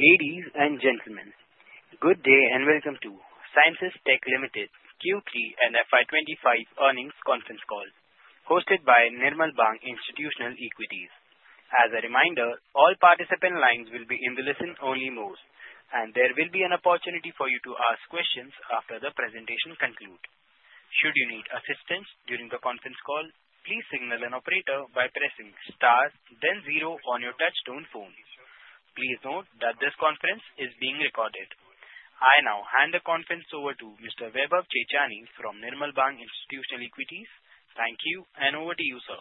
Ladies and gentlemen, good day and welcome to Ceinsys Tech Limited Q3 and FY 2025 Earnings Should you need assistance during the conference call, please signal an operator by pressing star, then zero on your touch-tone phone. Please note that this conference is being recorded. I now hand the conference over to Mr. Vaibhav Chechani from Nirmal Bang Institutional Equities. Thank you, and over to you, sir.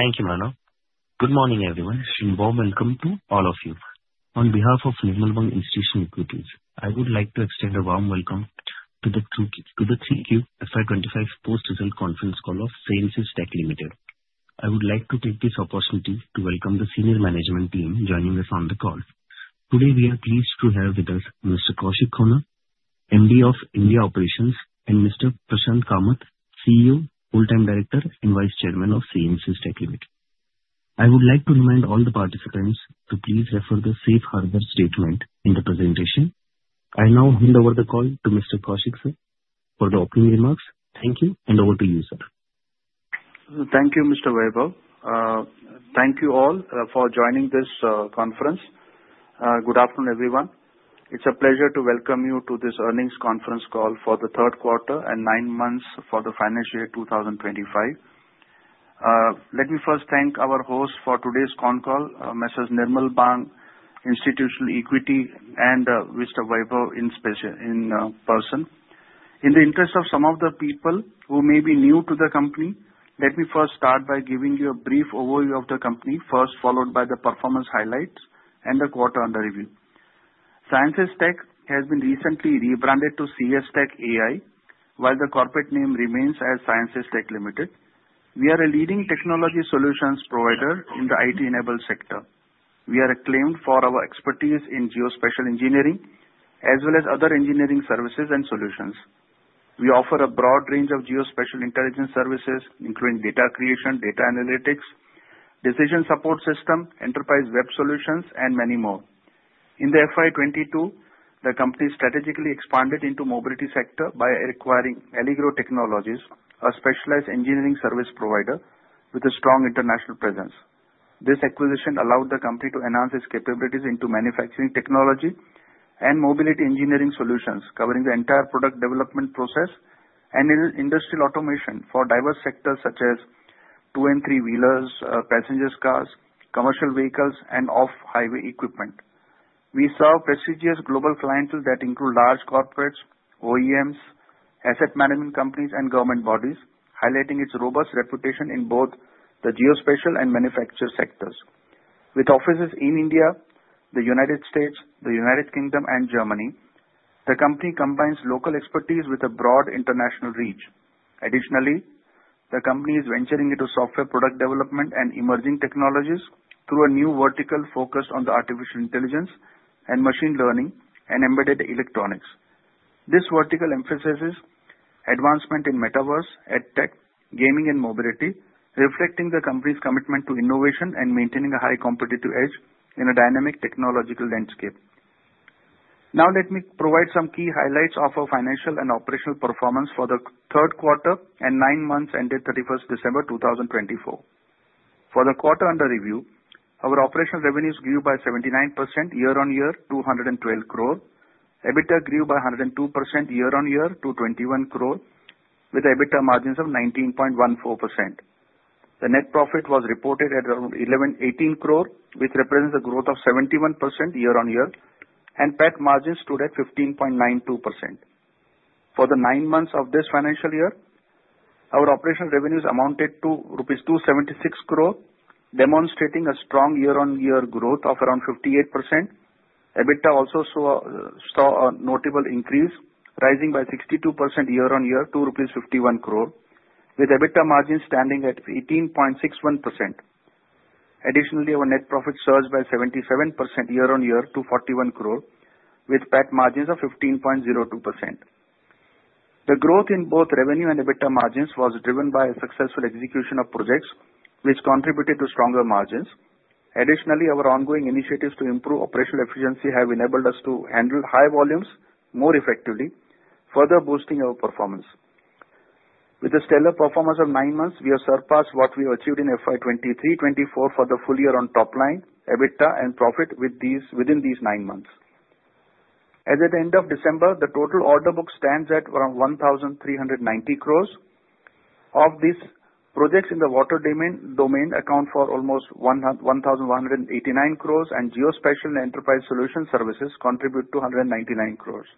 Thank you, Manu. Good morning, everyone, and welcome to all of you. On behalf of Nirmal Bang Institutional Equities, I would like to extend a warm welcome to the Q3 FY25 post-result conference call of Ceinsys Tech Limited. I would like to take this opportunity to welcome the senior management team joining us on the call. Today, we are pleased to have with us Mr. Kaushik Khona, MD of India Operations, and Mr. Prashant Kamat, CEO, Whole-time Director, and Vice Chairman of Ceinsys Tech Limited. I would like to remind all the participants to please refer to the safe harbor statement in the presentation. I now hand over the call to Mr. Kaushik, sir, for the opening remarks. Thank you, and over to you, sir. Thank you, Mr. Vaibhav. Thank you all for joining this conference. Good afternoon, everyone. It's a pleasure to welcome you to this Earnings Conference Call for the Third Quarter and Nine months for the Financial Year 2025. Let me first thank our hosts for today's con call, Mr. Nirmal Bang Institutional Equities, and Mr. Vaibhav in person. In the interest of some of the people who may be new to the company, let me first start by giving you a brief overview of the company, first followed by the performance highlights and the quarter under review. Ceinsys Tech has been recently rebranded to CS Tech AI, while the corporate name remains as Ceinsys Tech Limited. We are a leading technology solutions provider in the IT-enabled sector. We are acclaimed for our expertise in geospatial engineering as well as other engineering services and solutions. We offer a broad range of geospatial intelligence services, including data creation, data analytics, decision support systems, enterprise web solutions, and many more. In the FY22, the company strategically expanded into the mobility sector by acquiring Allygrow Technologies, a specialized engineering service provider with a strong international presence. This acquisition allowed the company to enhance its capabilities into manufacturing technology and mobility engineering solutions, covering the entire product development process and industrial automation for diverse sectors such as two and three-wheelers, passenger cars, commercial vehicles, and off-highway equipment. We serve prestigious global clientele that include large corporates, OEMs, asset management companies, and government bodies, highlighting its robust reputation in both the geospatial and manufacturing sectors. With offices in India, the United States, the United Kingdom, and Germany, the company combines local expertise with a broad international reach. Additionally, the company is venturing into software product development and emerging technologies through a new vertical focused on artificial intelligence and machine learning and embedded electronics. This vertical emphasizes advancement in metaverse, EdTech, gaming, and mobility, reflecting the company's commitment to innovation and maintaining a high competitive edge in a dynamic technological landscape. Now, let me provide some key highlights of our financial and operational performance for the third quarter and nine months ended 31st December 2024. For the quarter under review, our operational revenues grew by 79% year-on-year, 212 crore. EBITDA grew by 102% year-on-year, 22.1 crore, with EBITDA margins of 19.14%. The net profit was reported at around 11.18 crore, which represents a growth of 71% year-on-year, and PAT margins stood at 15.92%. For the nine months of this financial year, our operational revenues amounted to rupees 276 crore, demonstrating a strong year-on-year growth of around 58%. EBITDA also saw a notable increase, rising by 62% year-on-year, 251 crore rupees, with EBITDA margins standing at 18.61%. Additionally, our net profit surged by 77% year-on-year to 41 crore, with PAT margins of 15.02%. The growth in both revenue and EBITDA margins was driven by successful execution of projects, which contributed to stronger margins. Additionally, our ongoing initiatives to improve operational efficiency have enabled us to handle high volumes more effectively, further boosting our performance. With a stellar performance of nine months, we have surpassed what we achieved in FY 2023-24 for the full year on top line, EBITDA, and profit within these nine months. As at the end of December, the total order book stands at around 1,390 crores. Of this, projects in the water domain account for almost 1,189 crores, and geospatial and enterprise solution services contribute 299 crores.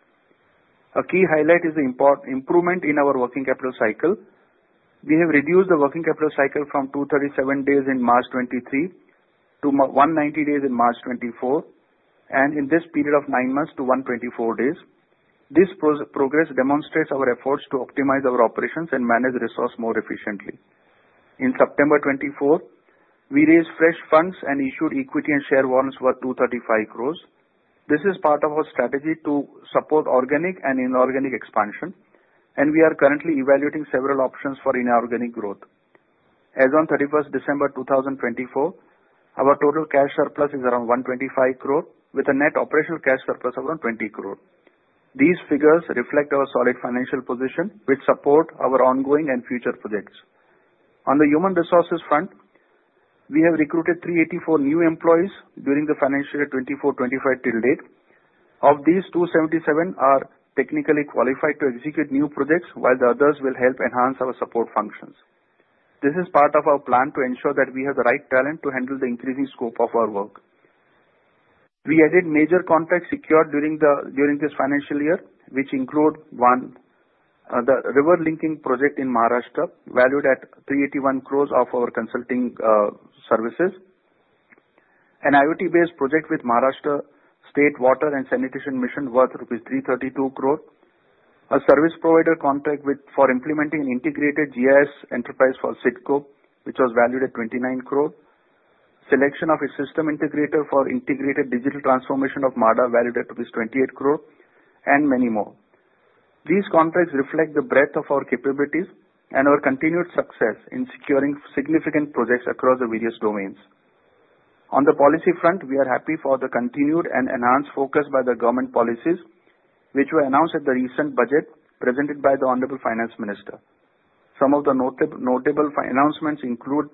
A key highlight is the improvement in our working capital cycle. We have reduced the working capital cycle from 237 days in March 2023 to 190 days in March 2024, and in this period of nine months to 124 days. This progress demonstrates our efforts to optimize our operations and manage resources more efficiently. In September 2024, we raised fresh funds and issued equity and share warrants worth 235 crores. This is part of our strategy to support organic and inorganic expansion, and we are currently evaluating several options for inorganic growth. As of 31st December 2024, our total cash surplus is around 125 crore, with a net operational cash surplus of around 20 crore. These figures reflect our solid financial position, which supports our ongoing and future projects. On the human resources front, we have recruited 384 new employees during the financial year 2024-2025 till date. Of these, 277 are technically qualified to execute new projects, while the others will help enhance our support functions. This is part of our plan to ensure that we have the right talent to handle the increasing scope of our work. We added major contracts secured during this financial year, which include: one, the river linking project in Maharashtra, valued at 381 crore of our consulting services. An IoT-based project with Maharashtra State Water and Sanitation Mission worth rupees 332 crore. A service provider contract for implementing an integrated GIS enterprise for CIDCO, which was valued at 29 crore. Selection of a system integrator for integrated digital transformation of MHADA, valued at rupees 28 crore, and many more. These contracts reflect the breadth of our capabilities and our continued success in securing significant projects across the various domains. On the policy front, we are happy for the continued and enhanced focus by the government policies, which were announced at the recent budget presented by the Honorable Finance Minister. Some of the notable announcements include: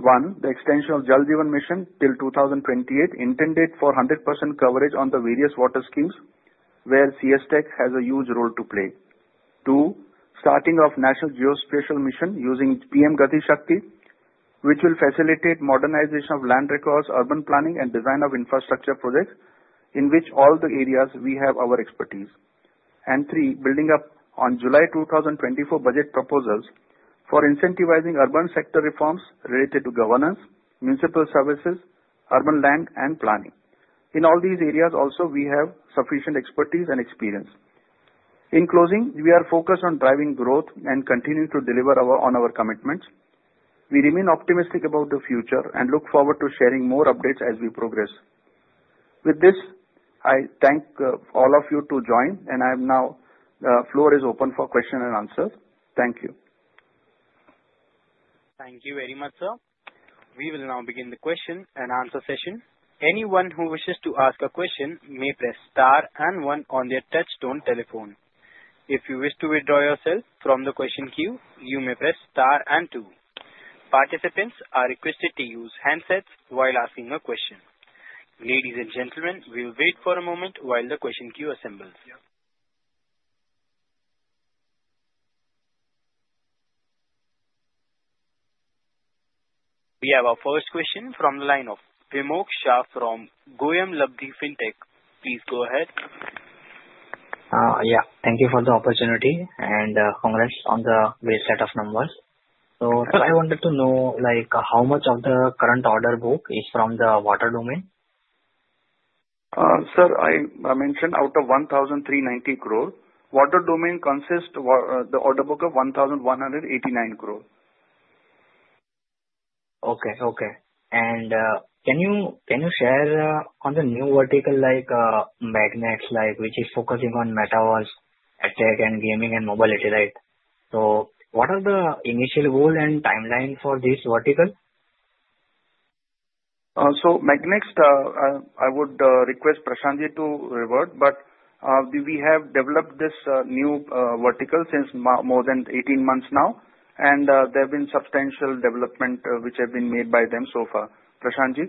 one, the extension of Jal Jeevan Mission till 2028, intended for 100% coverage on the various water schemes, where Ceinsys Tech has a huge role to play. Two, starting of National Geospatial Mission using PM Gati Shakti, which will facilitate modernization of land records, urban planning, and design of infrastructure projects in which all the areas we have our expertise. And three, building up on July 2024 budget proposals for incentivizing urban sector reforms related to governance, municipal services, urban land, and planning. In all these areas, also, we have sufficient expertise and experience. In closing, we are focused on driving growth and continuing to deliver on our commitments. We remain optimistic about the future and look forward to sharing more updates as we progress. With this, I thank all of you to join, and now the floor is open for questions and answers. Thank you. Thank you very much, sir. We will now begin the question and answer session. Anyone who wishes to ask a question may press star and one on their touch-tone telephone. If you wish to withdraw yourself from the question queue, you may press star and two. Participants are requested to use handsets while asking a question. Ladies and gentlemen, we will wait for a moment while the question queue assembles. We have our first question from the line of Vimox Shah from Goyamlabdhi Fintech. Please go ahead. Yeah, thank you for the opportunity and congrats on the strong set of numbers. So I wanted to know how much of the current order book is from the water domain? Sir, I mentioned out of 1,390 crore, water domain consists of the order book of 1,189 crore. Okay, okay. And can you share on the new vertical, like Meg-Nxt, which is focusing on Metaverse, EdTech and gaming and mobility, right? So what are the initial goal and timeline for this vertical? Meg-Nxt, I would request Prashant Ji to revert, but we have developed this new vertical since more than 18 months now, and there have been substantial developments which have been made by them so far. Prashant Ji?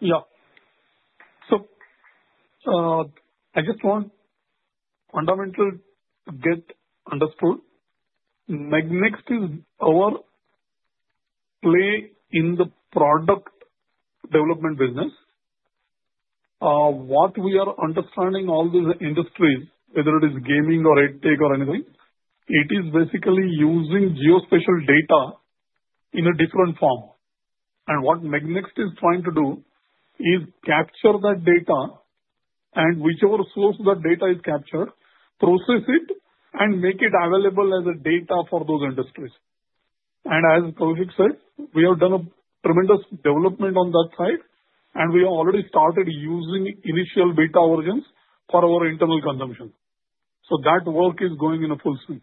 Yeah. So I just want fundamental to get understood. Meg-Nxt is our play in the product development business. What we are understanding all these industries, whether it is gaming or EdTech or anything, it is basically using geospatial data in a different form. And what Meg-Nxt is trying to do is capture that data and whichever source that data is captured, process it, and make it available as data for those industries. And as Kaushik said, we have done a tremendous development on that side, and we have already started using initial beta versions for our internal consumption. So that work is going in a full swing.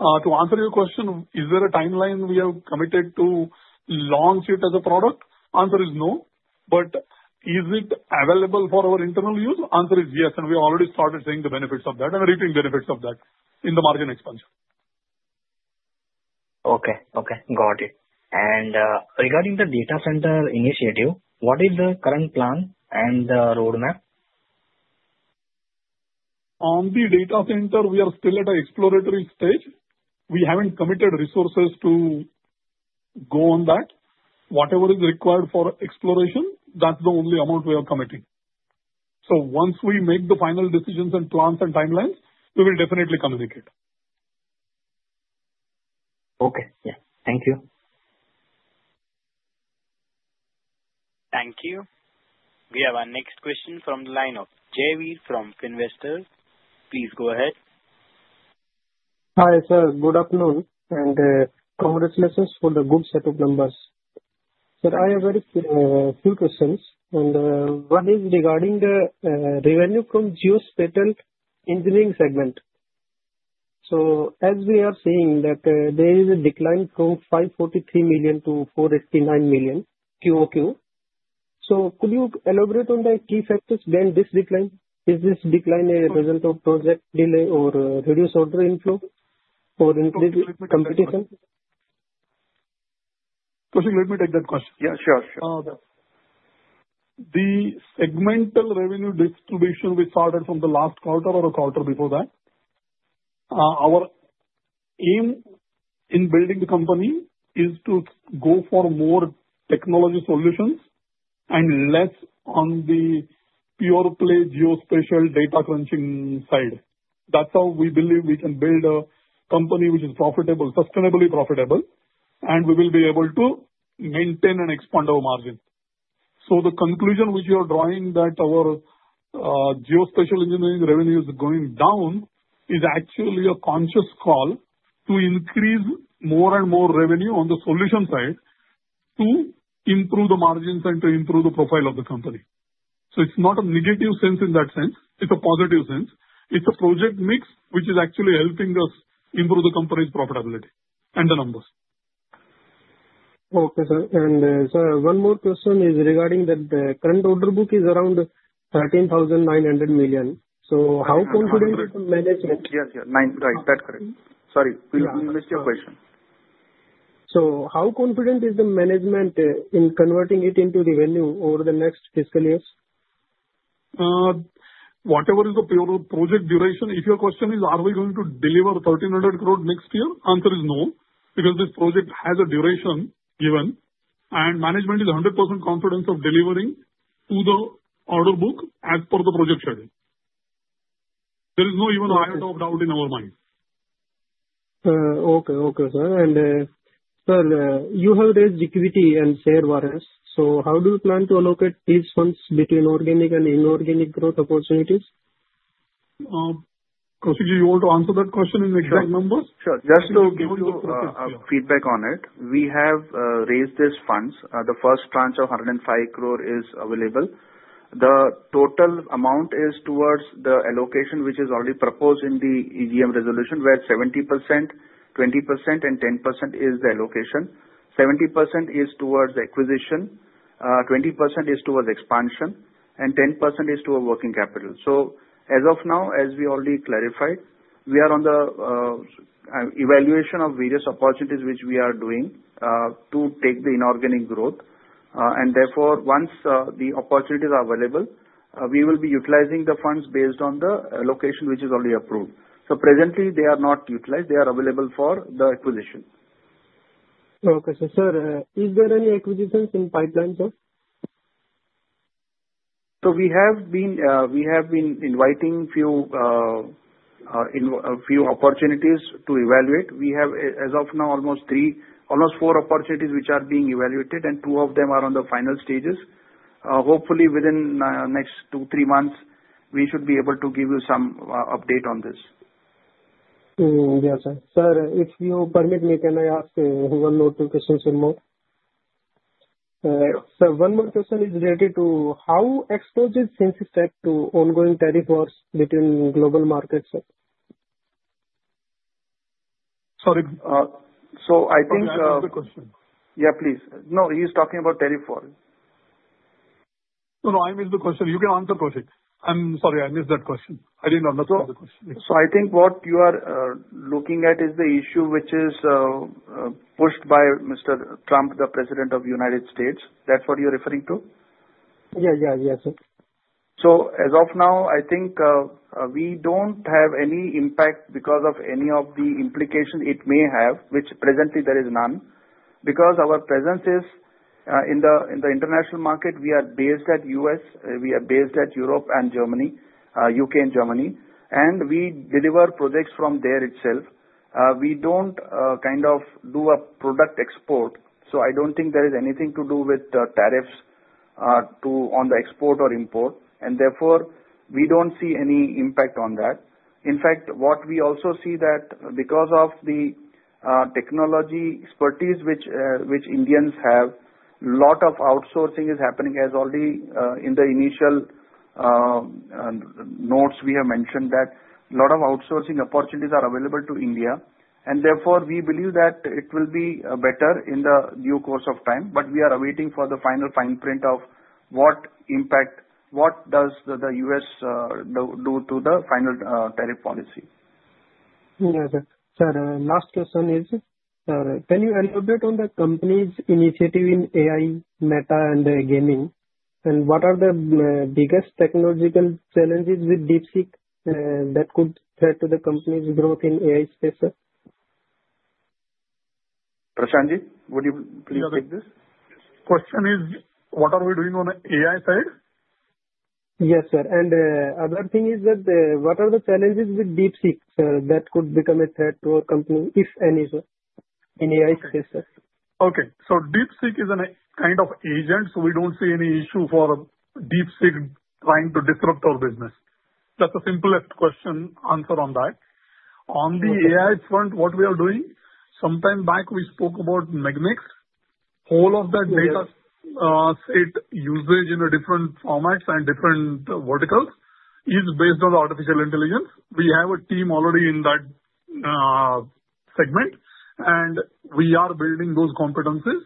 To answer your question, is there a timeline we have committed to launch it as a product? Answer is no. But is it available for our internal use? Answer is yes, and we have already started seeing the benefits of that and reaping benefits of that in the margin expansion. Okay, okay. Got it. And regarding the data center initiative, what is the current plan and roadmap? On the data center, we are still at an exploratory stage. We haven't committed resources to go on that. Whatever is required for exploration, that's the only amount we are committing. So once we make the final decisions and plans and timelines, we will definitely communicate. Okay. Yeah. Thank you. Thank you. We have our next question from the line of Jayveer from Finvestor. Please go ahead. Hi, sir, good afternoon, and congratulations for the good set of numbers. Sir, I have a few questions, and one is regarding the revenue from geospatial engineering segment. So as we are seeing that there is a decline from 543 million to 489 million QOQ. So could you elaborate on the key factors behind this decline? Is this decline a result of project delay or reduced order inflow or increased competition? Kaushik, let me take that question. Yeah, sure, sure. The segmental revenue distribution we started from the last quarter or a quarter before that. Our aim in building the company is to go for more technology solutions and less on the pure play geospatial data crunching side. That's how we believe we can build a company which is profitable, sustainably profitable, and we will be able to maintain and expand our margin. So the conclusion which you are drawing that our geospatial engineering revenue is going down is actually a conscious call to increase more and more revenue on the solution side to improve the margins and to improve the profile of the company. So it's not a negative sense in that sense. It's a positive sense. It's a project mix which is actually helping us improve the company's profitability and the numbers. Okay, sir. And sir, one more question is regarding that the current order book is around 13,900 million. So how confident is the management? Yes, yes. Right. That's correct. Sorry, we missed your question. So how confident is the management in converting it into revenue over the next fiscal years? Whatever is the project duration, if your question is, are we going to deliver 1,300 crore next year, answer is no, because this project has a duration given, and management is 100% confident of delivering to the order book as per the project schedule. There is not even a hint of doubt in our mind. Okay, okay, sir. And sir, you have raised equity and share warrants. So how do you plan to allocate these funds between organic and inorganic growth opportunities? Kaushik, do you want to answer that question in exact numbers? Sure. Just to give you a feedback on it, we have raised these funds. The first tranche of 105 crore is available. The total amount is towards the allocation which is already proposed in the EGM resolution, where 70%, 20%, and 10% is the allocation. 70% is towards acquisition, 20% is towards expansion, and 10% is towards working capital. So as of now, as we already clarified, we are on the evaluation of various opportunities which we are doing to take the inorganic growth. And therefore, once the opportunities are available, we will be utilizing the funds based on the allocation which is already approved. So presently, they are not utilized. They are available for the acquisition. Okay. Sir, is there any acquisitions in pipeline, sir? So we have been identifying a few opportunities to evaluate. We have, as of now, almost four opportunities which are being evaluated, and two of them are in the final stages. Hopefully, within the next two, three months, we should be able to give you some update on this. Yes, sir. Sir, if you permit me, can I ask one or two questions or more? Sir, one more question is related to how exposes Ceinsys Tech to ongoing tariff wars between global markets, sir? Sorry. So I think I miss the question. Yeah, please. No, he's talking about tariff war. No, no, I missed the question. You can answer Kaushik. I'm sorry, I missed that question. I didn't understand the question. So I think what you are looking at is the issue which is pushed by Mr. Trump, the President of the United States. That's what you're referring to? Yeah, yeah, yeah, sir. So as of now, I think we don't have any impact because of any of the implications it may have, which presently there is none, because our presence is in the international market. We are based at U.S. We are based at Europe and Germany, U.K. and Germany, and we deliver projects from there itself. We don't kind of do a product export. So I don't think there is anything to do with tariffs on the export or import. And therefore, we don't see any impact on that. In fact, what we also see is that because of the technology expertise which Indians have, a lot of outsourcing is happening. As already in the initial notes, we have mentioned that a lot of outsourcing opportunities are available to India. And therefore, we believe that it will be better in the due course of time but we are awaiting for the final fine print of what impact, what does the U.S. do to the final tariff policy. Yeah, sir. Sir, last question is, can you elaborate on the company's initiative in AI, Meta, and gaming? And what are the biggest technological challenges with DeepSeek that could threaten the company's growth in the AI space, sir? Prashant Ji, would you please take this? Question is, what are we doing on the AI side? Yes, sir. And another thing is that what are the challenges with DeepSeek, sir, that could become a threat to our company, if any, sir, in the AI space, sir? Okay. So DeepSeek is a kind of agent, so we don't see any issue for DeepSeek trying to disrupt our business. That's the simplest question answer on that. On the AI front, what we are doing, some time back, we spoke about Meg-Nxt. All of that data set usage in different formats and different verticals is based on artificial intelligence. We have a team already in that segment, and we are building those competencies.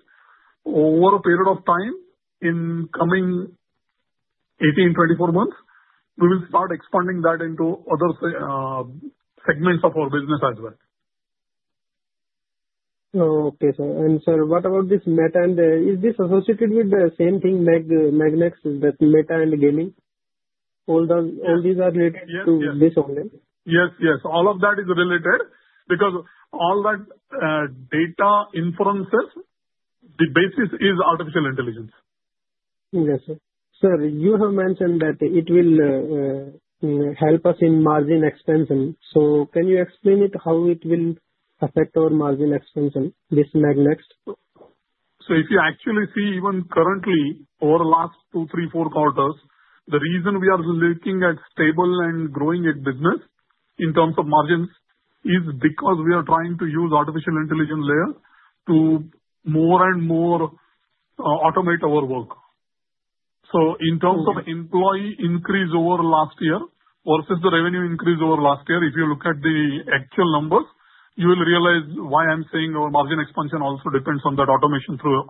Over a period of time, in coming 18-24 months, we will start expanding that into other segments of our business as well. Okay, sir. And sir, what about this metaverse? And is this associated with the same thing, Meg-Nxt, with metaverse and gaming? All these are related to this only? Yes, yes. All of that is related because all that data inferences, the basis is artificial intelligence. Yes, sir. Sir, you have mentioned that it will help us in margin expansion. So can you explain how it will affect our margin expansion, this Meg-Nxt? So if you actually see, even currently, over the last two, three, four quarters, the reason we are looking at stable and growing a business in terms of margins is because we are trying to use artificial intelligence layer to more and more automate our work. So in terms of employee increase over last year versus the revenue increase over last year, if you look at the actual numbers, you will realize why I'm saying our margin expansion also depends on that automation through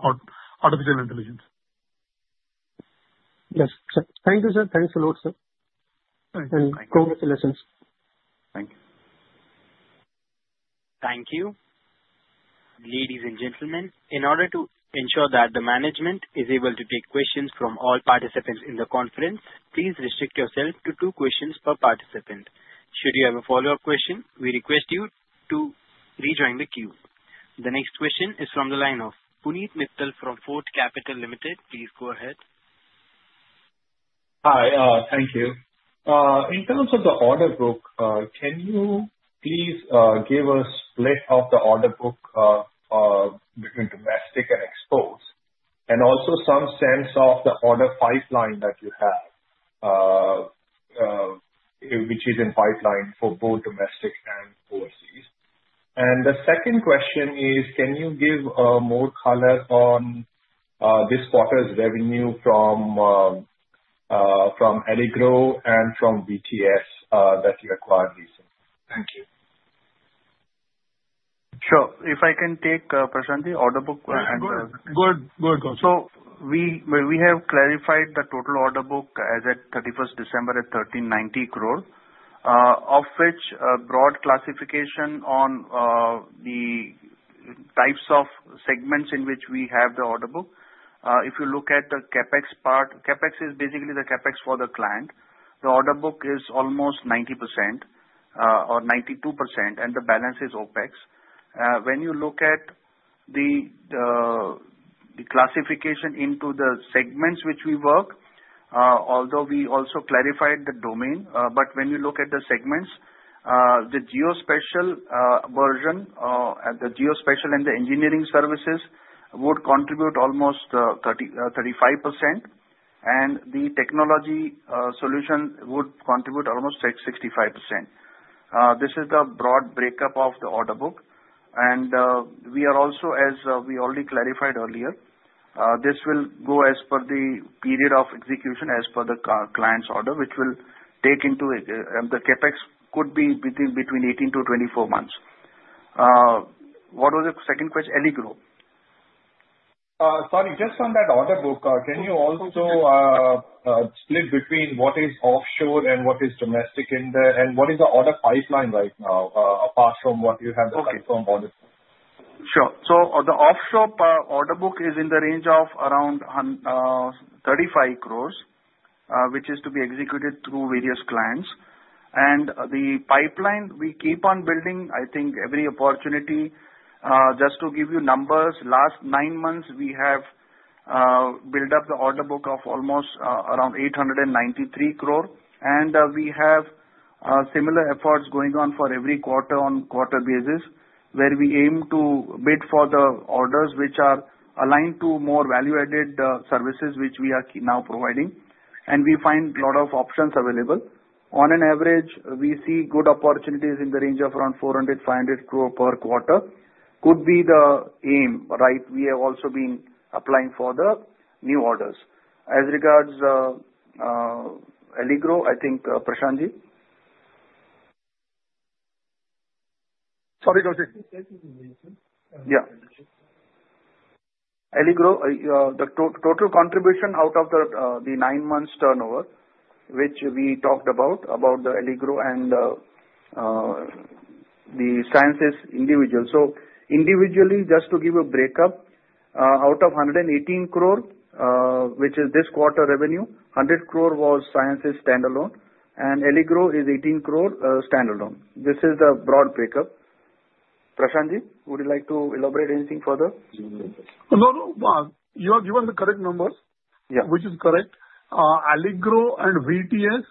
artificial intelligence. Yes, sir. Thank you, sir. Thanks a lot, sir. Thank you. And congratulations. Thank you. Thank you. Ladies and gentlemen, in order to ensure that the management is able to take questions from all participants in the conference, please restrict yourself to two questions per participant. Should you have a follow-up question, we request you to rejoin the queue. The next question is from the line of Punit Mittal from Fort Capital Limited. Please go ahead. Hi. Thank you. In terms of the order book, can you please give us a split of the order book between domestic and exports, and also some sense of the order pipeline that you have, which is in pipeline for both domestic and overseas? And the second question is, can you give more color on this quarter's revenue from Allygrow and from VTS that you acquired recently? Thank you. Sure. If I can take Prashant Ji, order book and. Good. Good, good. We have clarified the total order book as at 31st December at 1,390 crore, of which a broad classification on the types of segments in which we have the order book. If you look at the CapEx part, CapEx is basically the CapEx for the client. The order book is almost 90% or 92%, and the balance is OpEx. When you look at the classification into the segments which we work, although we also clarified the domain, but when you look at the segments, the geospatial division and the engineering services would contribute almost 35%, and the technology solution would contribute almost 65%. This is the broad breakup of the order book. And we are also, as we already clarified earlier, this will go as per the period of execution as per the client's order, which will take into the CapEx could be between 18-24 months. What was the second question? Allygrow. Sorry. Just on that order book, can you also split between what is offshore and what is domestic Sure. So the offshore order book is in the range of around 35 crore, which is to be executed through various clients. And the pipeline, we keep on building, I think, every opportunity. Just to give you numbers, last nine months, we have built up the order book of almost around 893 crore. And we have similar efforts going on for every quarter-on-quarter basis, where we aim to bid for the orders which are aligned to more value-added services which we are now providing. And we find a lot of options available. On an average, we see good opportunities in the range of around 400-500 crore per quarter could be the aim, right? We have also been applying for the new orders. As regards Allygrow, I think Prashant Ji. Sorry, Kaushik. Yeah. Allygrow, the total contribution out of the nine months turnover, which we talked about, about the Allygrow and the Ceinsys individual. So individually, just to give a breakup, out of 118 crore, which is this quarter revenue, 100 crore was Ceinsys standalone, and Allygrow is 18 crore standalone. This is the broad breakup. Prashant Ji, would you like to elaborate anything further? No, no. You have given the correct numbers, which is correct. Allygrow and VTS,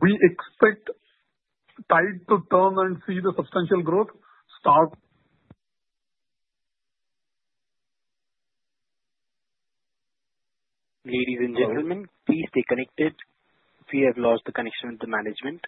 we expect it to turn and see the substantial growth start. Ladies and gentlemen, please stay connected. We have lost the connection with the management.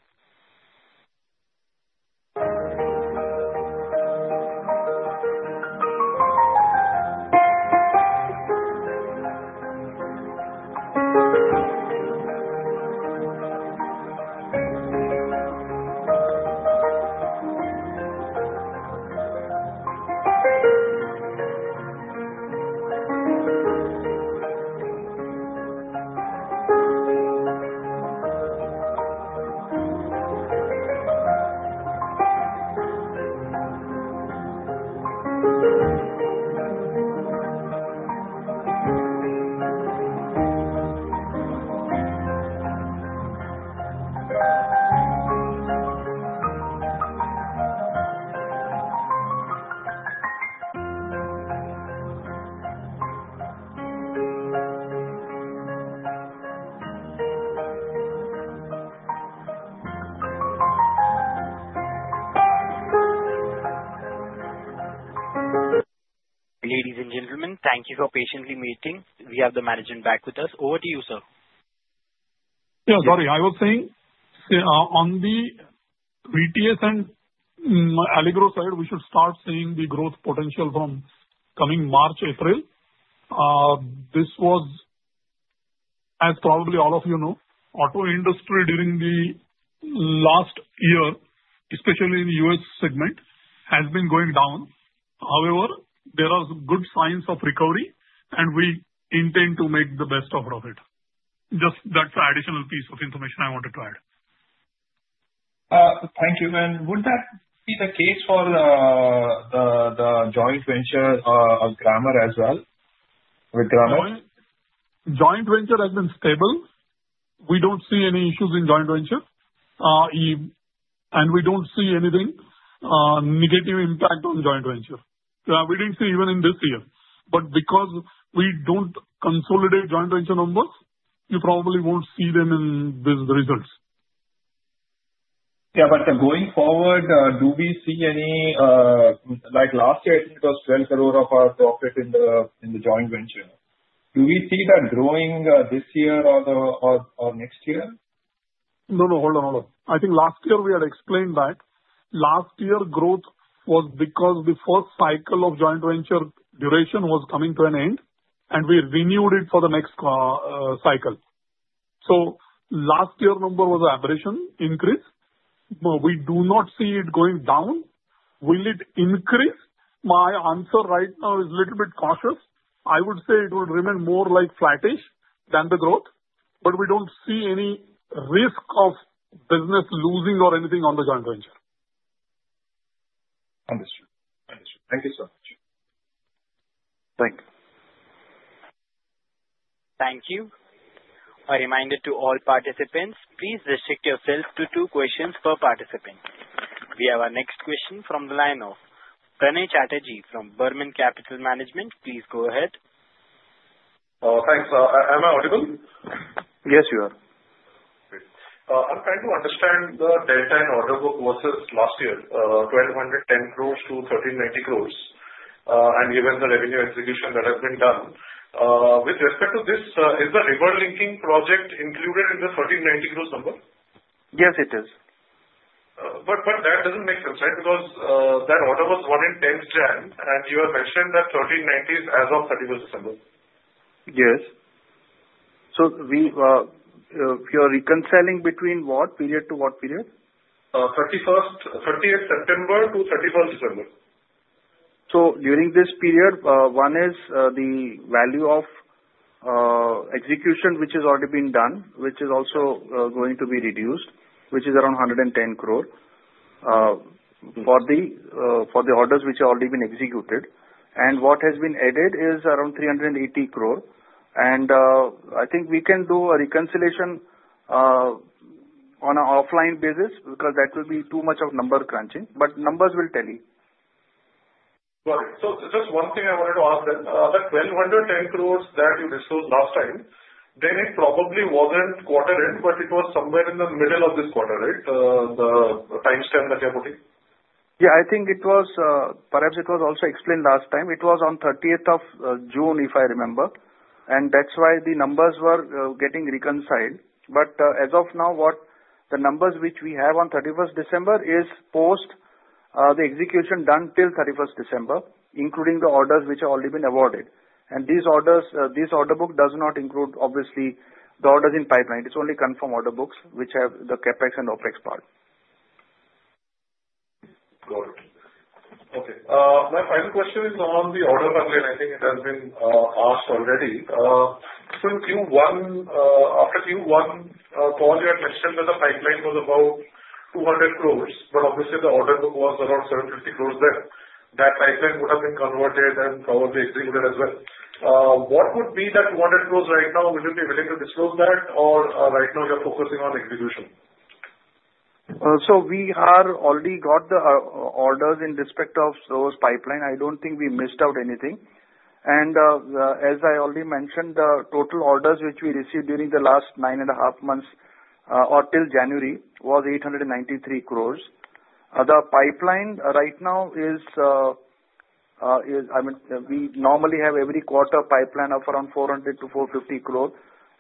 Ladies and gentlemen, thank you for patiently waiting. We have the management back with us. Over to you, sir. Yeah, sorry. I was saying on the VTS and Allygrow side, we should start seeing the growth potential from coming March, April. This was, as probably all of you know, auto industry during the last year, especially in the US segment, has been going down. However, there are good signs of recovery, and we intend to make the best of it. Just that's an additional piece of information I wanted to add. Thank you. And would that be the case for the joint venture of Grammer as well with Grammer? Joint venture has been stable. We don't see any issues in joint venture, and we don't see anything negative impact on joint venture. We didn't see even in this year. But because we don't consolidate joint venture numbers, you probably won't see them in the results. Yeah, but going forward, do we see any? Last year, I think it was 12 crore of our profit in the joint venture. Do we see that growing this year or next year? No, no. Hold on, hold on. I think last year we had explained that last year growth was because the first cycle of joint venture duration was coming to an end, and we renewed it for the next cycle. So last year number was an aberration increase. We do not see it going down. Will it increase? My answer right now is a little bit cautious. I would say it will remain more like flattish than the growth, but we don't see any risk of business losing or anything on the joint venture. Understood. Understood. Thank you so much. Thank you. Thank you. A reminder to all participants, please restrict yourself to two questions per participant. We have our next question from the line of Pranay Chatterjee from Burman Capital Management. Please go ahead. Thanks. Am I audible? Yes, you are. Good. I'm trying to understand the delta in order book versus last year, 1,210-1,390 crores, and given the revenue execution that has been done. With respect to this, is the river linking project included in the 1,390 crores number? Yes, it is. But that doesn't make sense, right? Because that order was 110 jam, and you have mentioned that 1,390 is as of 31st December. Yes. So you are reconciling between what period to what period? August, 30th September to 31st December. So during this period, one is the value of execution which has already been done, which is also going to be reduced, which is around 110 crore for the orders which have already been executed. And what has been added is around 380 crore. And I think we can do a reconciliation on an offline basis because that will be too much of number crunching, but numbers will tell you. Got it. So just one thing I wanted to ask then. The 1,210 crores that you disclosed last time, then it probably wasn't quarter end, but it was somewhere in the middle of this quarter, right? The timestamp that you are putting. Yeah, I think it was perhaps it was also explained last time. It was on 30th of June, if I remember. And that's why the numbers were getting reconciled. But as of now, the numbers which we have on 31st December is post the execution done till 31st December, including the orders which have already been awarded. And this order book does not include, obviously, the orders in pipeline. It's only confirmed order books which have the CapEx and OpEx part. Got it. Okay. My final question is on the order pipeline. I think it has been asked already. So after Q1, you had mentioned that the pipeline was about 200 crores, but obviously, the order book was around 750 crores then. That pipeline would have been converted and probably executed as well. What would be that 200 crores right now? Would you be willing to disclose that, or right now you're focusing on execution? We have already got the orders in respect of those pipeline. I don't think we missed out anything. And as I already mentioned, the total orders which we received during the last nine and a half months or till January was 893 crore. The pipeline right now is I mean, we normally have every quarter pipeline of around 400-450 crore.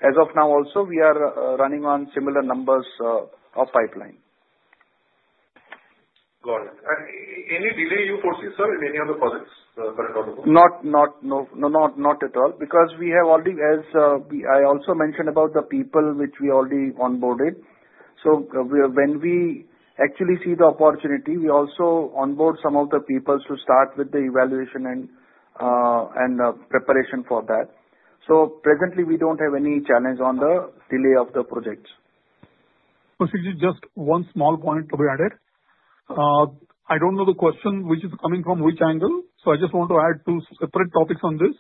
As of now, also, we are running on similar numbers of pipeline. Got it. Any delay you foresee, sir, in any of the projects current order book? Not at all because we have already as I also mentioned about the people which we already onboarded. So when we actually see the opportunity, we also onboard some of the people to start with the evaluation and preparation for that. So presently, we don't have any challenge on the delay of the projects. Kaushik Ji, just one small point to be added. I don't know the question which is coming from which angle, so I just want to add two separate topics on this.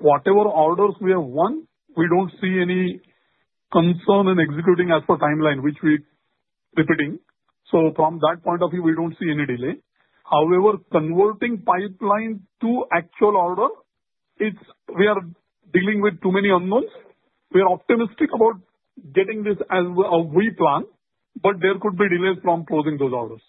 Whatever orders we have won, we don't see any concern in executing as per timeline, which we are repeating. So from that point of view, we don't see any delay. However, converting pipeline to actual order, we are dealing with too many unknowns. We are optimistic about getting this as we plan, but there could be delays from closing those orders.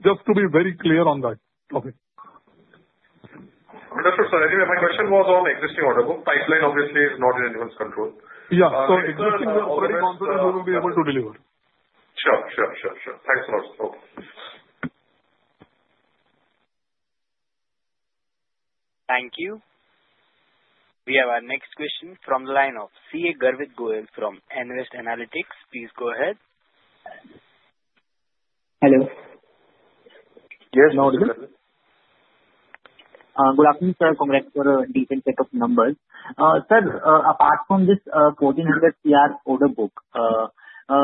Just to be very clear on that topic. Understood, sir. Anyway, my question was on existing order book. Pipeline, obviously, is not in anyone's control. Yeah. So existing order book. Existing order book, we will be able to deliver. Sure. Thanks a lot. Thank you. We have our next question from the line of CA Garvit Goyal from Nvest Analytics. Please go ahead. Hello. Yes, no audible. Good afternoon, sir. Congrats for a decent set of numbers. Sir, apart from this 1,400 CR order book,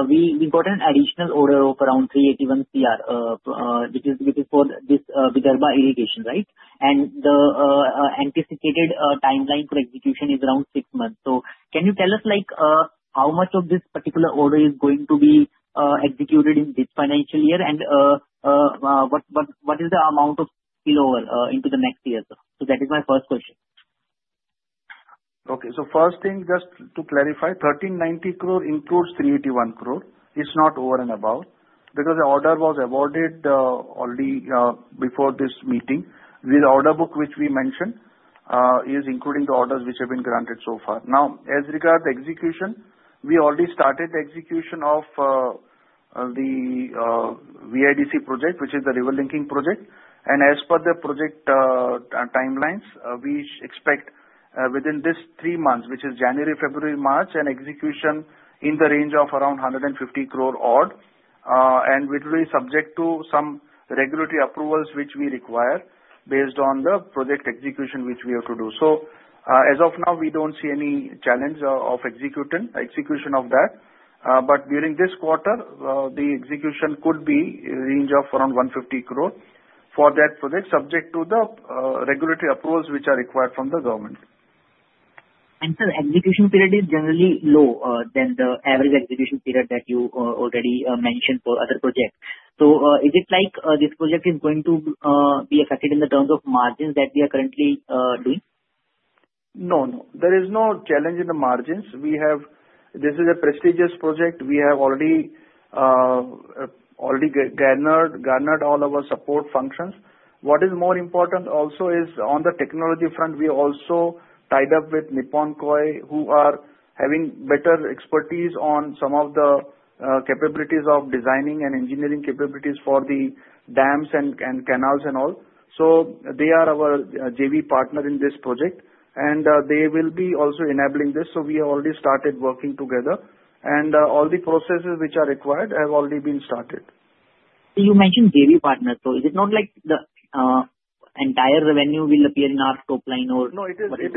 we got an additional order of around 381 CR, which is for this Vidarbha Irrigation, right, and the anticipated timeline for execution is around six months, so can you tell us how much of this particular order is going to be executed in this financial year, and what is the amount of spillover into the next year, so that is my first question. Okay. So first thing, just to clarify, 1,390 crore includes 381 crore. It's not over and above because the order was awarded already before this meeting. The order book which we mentioned is including the orders which have been granted so far. Now, as regards the execution, we already started the execution of the VIDC project, which is the river linking project. And as per the project timelines, we expect within these three months, which is January, February, March, an execution in the range of around 150 crore odd, and it will be subject to some regulatory approvals which we require based on the project execution which we have to do. So as of now, we don't see any challenge of execution of that. But during this quarter, the execution could be in the range of around 150 crore for that project, subject to the regulatory approvals which are required from the government. And sir, execution period is generally lower than the average execution period that you already mentioned for other projects. So is it like this project is going to be affected in the terms of margins that we are currently doing? No, no. There is no challenge in the margins. This is a prestigious project. We have already garnered all of our support functions. What is more important also is on the technology front, we also tied up with Nippon Koei, who are having better expertise on some of the capabilities of designing and engineering capabilities for the dams and canals and all. So they are our JV partner in this project, and they will be also enabling this. So we have already started working together, and all the processes which are required have already been started. You mentioned JV partner. So is it not like the entire revenue will appear in our top line or budget? No, it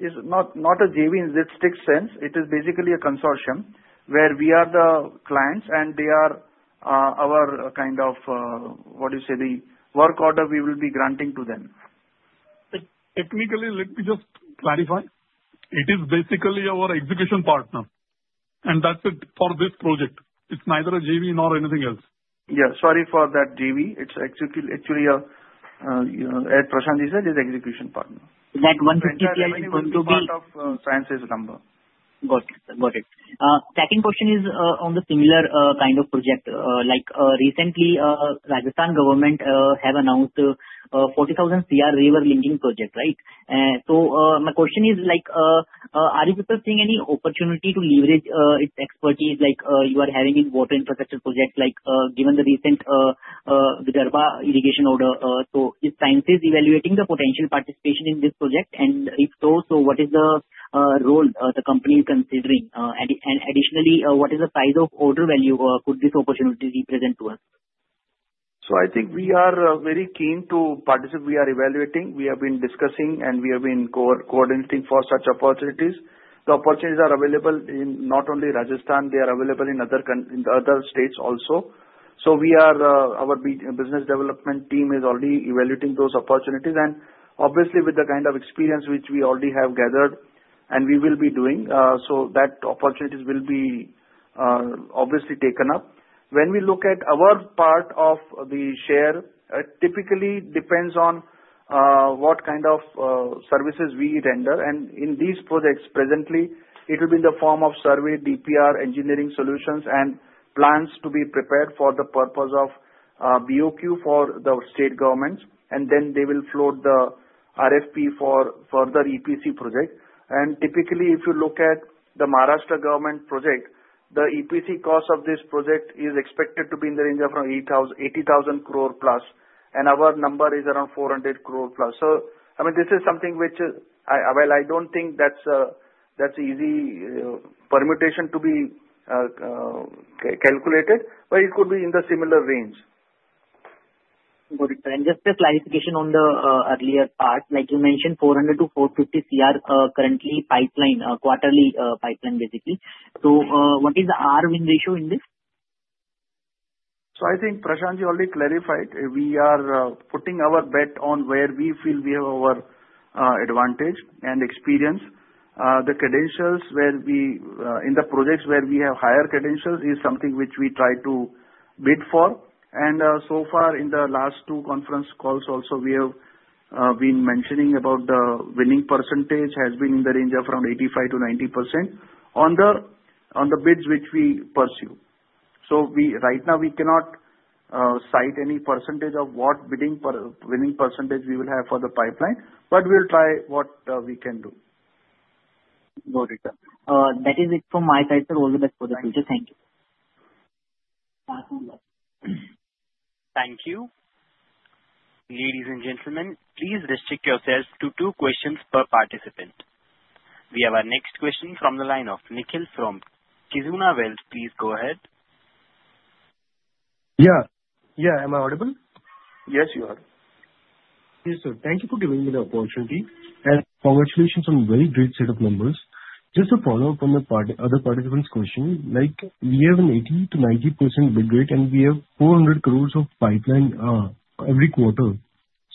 is not a JV in this strict sense. It is basically a consortium where we are the clients, and they are our kind of, what do you say, the work order we will be granting to them. Technically, let me just clarify. It is basically our execution partner, and that's it for this project. It's neither a JV nor anything else. Yeah. Sorry for that JV. It's actually Prashant Ji said it's execution partner. That 150 CR is going to be? It's part of Prashant's number. Got it. Got it. Second question is on the similar kind of project. Recently, Rajasthan government has announced a 40,000 crore river linking project, right? So my question is, are you people seeing any opportunity to leverage its expertise like you are having in water infrastructure projects? Given the recent Vidarbha irrigation order, so is Prashant evaluating the potential participation in this project? And if so, what is the role the company is considering? And additionally, what is the size of order value? Could this opportunity be presented to us? So I think we are very keen to participate. We are evaluating. We have been discussing, and we have been coordinating for such opportunities. The opportunities are available in not only Rajasthan. They are available in other states also. So our business development team is already evaluating those opportunities. And obviously, with the kind of experience which we already have gathered and we will be doing, so that opportunities will be obviously taken up. When we look at our part of the share, it typically depends on what kind of services we render. And in these projects presently, it will be in the form of survey, DPR, engineering solutions, and plans to be prepared for the purpose of BOQ for the state governments. And then they will float the RFP for further EPC project. Typically, if you look at the Maharashtra government project, the EPC cost of this project is expected to be in the range of 80,000 crore plus, and our number is around 400 crore plus. I mean, this is something which, well, I don't think that's an easy permutation to be calculated, but it could be in the similar range. Got it. And just a clarification on the earlier part. Like you mentioned, 400-450 CR currently quarterly pipeline, basically. So what is the our win ratio in this? So I think Prashant Ji already clarified. We are putting our bet on where we feel we have our advantage and experience. The credentials in the projects where we have higher credentials is something which we try to bid for. And so far, in the last two conference calls also, we have been mentioning about the winning percentage has been in the range of around 85%-90% on the bids which we pursue. So right now, we cannot cite any percentage of what winning percentage we will have for the pipeline, but we'll try what we can do. Got it. That is it from my side, sir. All the best for the future. Thank you. Thank you. Ladies and gentlemen, please restrict yourselves to two questions per participant. We have our next question from the line of Nikhil from Kizuna Wealth. Please go ahead. Yeah. Am I audible? Yes, you are. Yes, sir. Thank you for giving me the opportunity. And congratulations on a very great set of numbers. Just a follow-up on the other participant's question. We have an 80%-90% bid rate, and we have 400 crore of pipeline every quarter.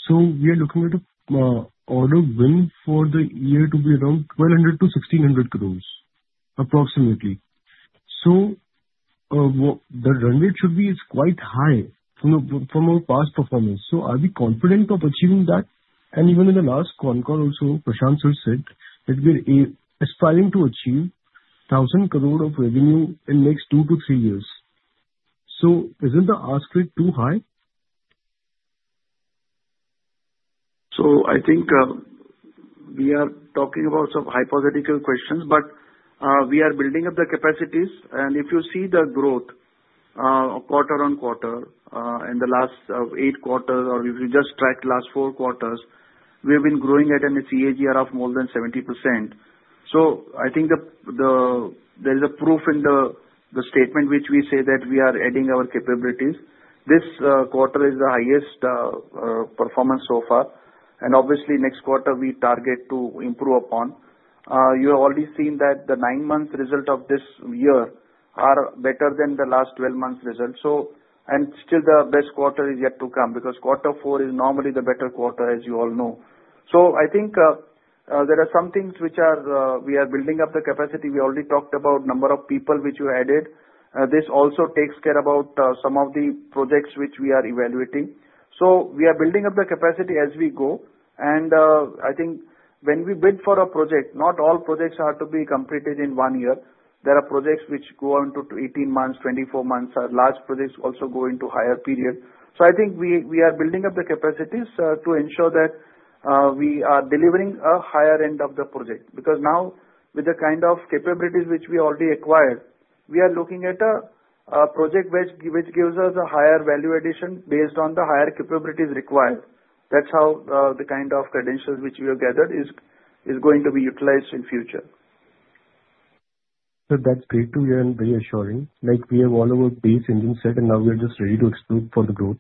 So we are looking at an order win for the year to be around 1,200 crore-1,600 crore approximately. So the run rate should be quite high from our past performance. So are we confident of achieving that? And even in the last con call also, Prashant Sir said that we are aspiring to achieve 1,000 crore of revenue in the next two to three years. So isn't the ask rate too high? I think we are talking about some hypothetical questions, but we are building up the capacities. If you see the growth quarter on quarter in the last eight quarters or if you just track the last four quarters, we have been growing at a CAGR of more than 70%. I think there is proof in the statement which we say that we are adding our capabilities. This quarter is the highest performance so far. Obviously, next quarter, we target to improve upon. You have already seen that the nine-month result of this year is better than the last 12-month result. Still, the best quarter is yet to come because quarter four is normally the better quarter, as you all know. I think there are some things which we are building up the capacity. We already talked about the number of people which we added. This also takes care of some of the projects which we are evaluating, so we are building up the capacity as we go, and I think when we bid for a project, not all projects have to be completed in one year. There are projects which go on to 18 months, 24 months. Large projects also go into a higher period, so I think we are building up the capacities to ensure that we are delivering a higher end of the project because now, with the kind of capabilities which we already acquired, we are looking at a project which gives us a higher value addition based on the higher capabilities required. That's how the kind of credentials which we have gathered is going to be utilized in the future. So that's great to hear and reassuring. We have all of our base in the set, and now we are just ready to explode for the growth.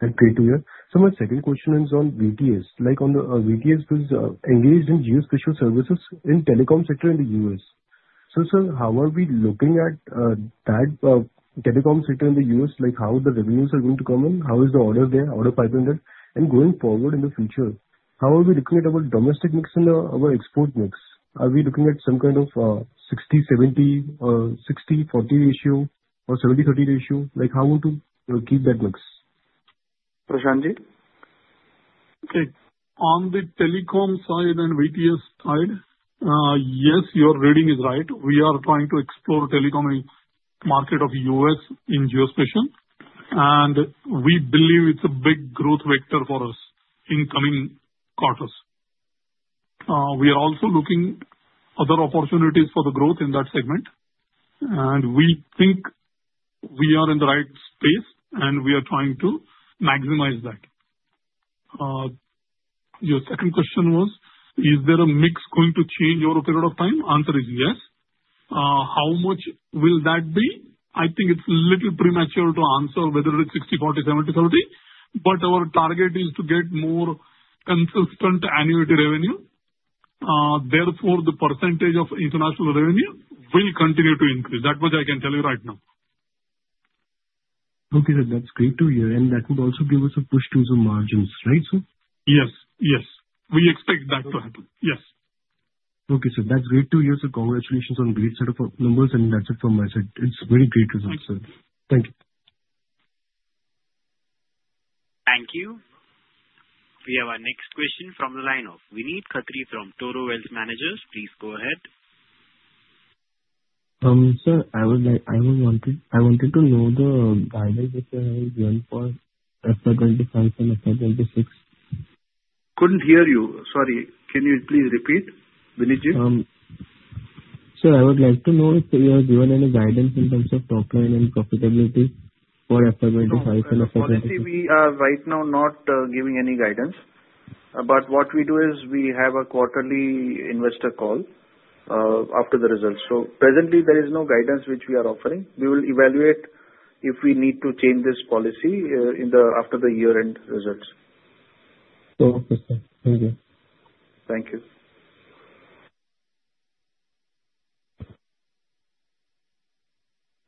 That's great to hear. So my second question is on VTS. VTS is engaged in geospatial services in the telecom sector in the U.S. So sir, how are we looking at that telecom sector in the U.S.? How the revenues are going to come in? How is the order there, order pipeline there, and going forward in the future? How are we looking at our domestic mix and our export mix? Are we looking at some kind of 60-70, 60-40 ratio, or 70-30 ratio? How to keep that mix? Prashant Ji? Okay. On the telecom side and VTS side, yes, your reading is right. We are trying to explore the telecom market of U.S. in geospatial, and we believe it's a big growth vector for us in the coming quarters. We are also looking for other opportunities for the growth in that segment, and we think we are in the right space, and we are trying to maximize that. Your second question was, is there a mix going to change over a period of time? The answer is yes. How much will that be? I think it's a little premature to answer whether it's 60, 40, 70, 30, but our target is to get more consistent annuity revenue. Therefore, the percentage of international revenue will continue to increase. That's what I can tell you right now. Okay, sir. That's great to hear. And that would also give us a push to the margins, right, sir? Yes. Yes. We expect that to happen. Yes. Okay, sir. That's great to hear, sir. Congratulations on great set of numbers, and that's it from my side. It's very great results, sir. Thank you. Thank you. We have our next question from the line of Vineet Khatri from Toro Wealth Managers. Please go ahead. Sir, I would like to know the guidance that you have given for FY25 and FY26. Couldn't hear you. Sorry. Can you please repeat, Vineet Ji? Sir, I would like to know if you have given any guidance in terms of top line and profitability for FY25 and FY26? Honestly, we are right now not giving any guidance. But what we do is we have a quarterly investor call after the results. So presently, there is no guidance which we are offering. We will evaluate if we need to change this policy after the year-end results. Okay, sir. Thank you. Thank you.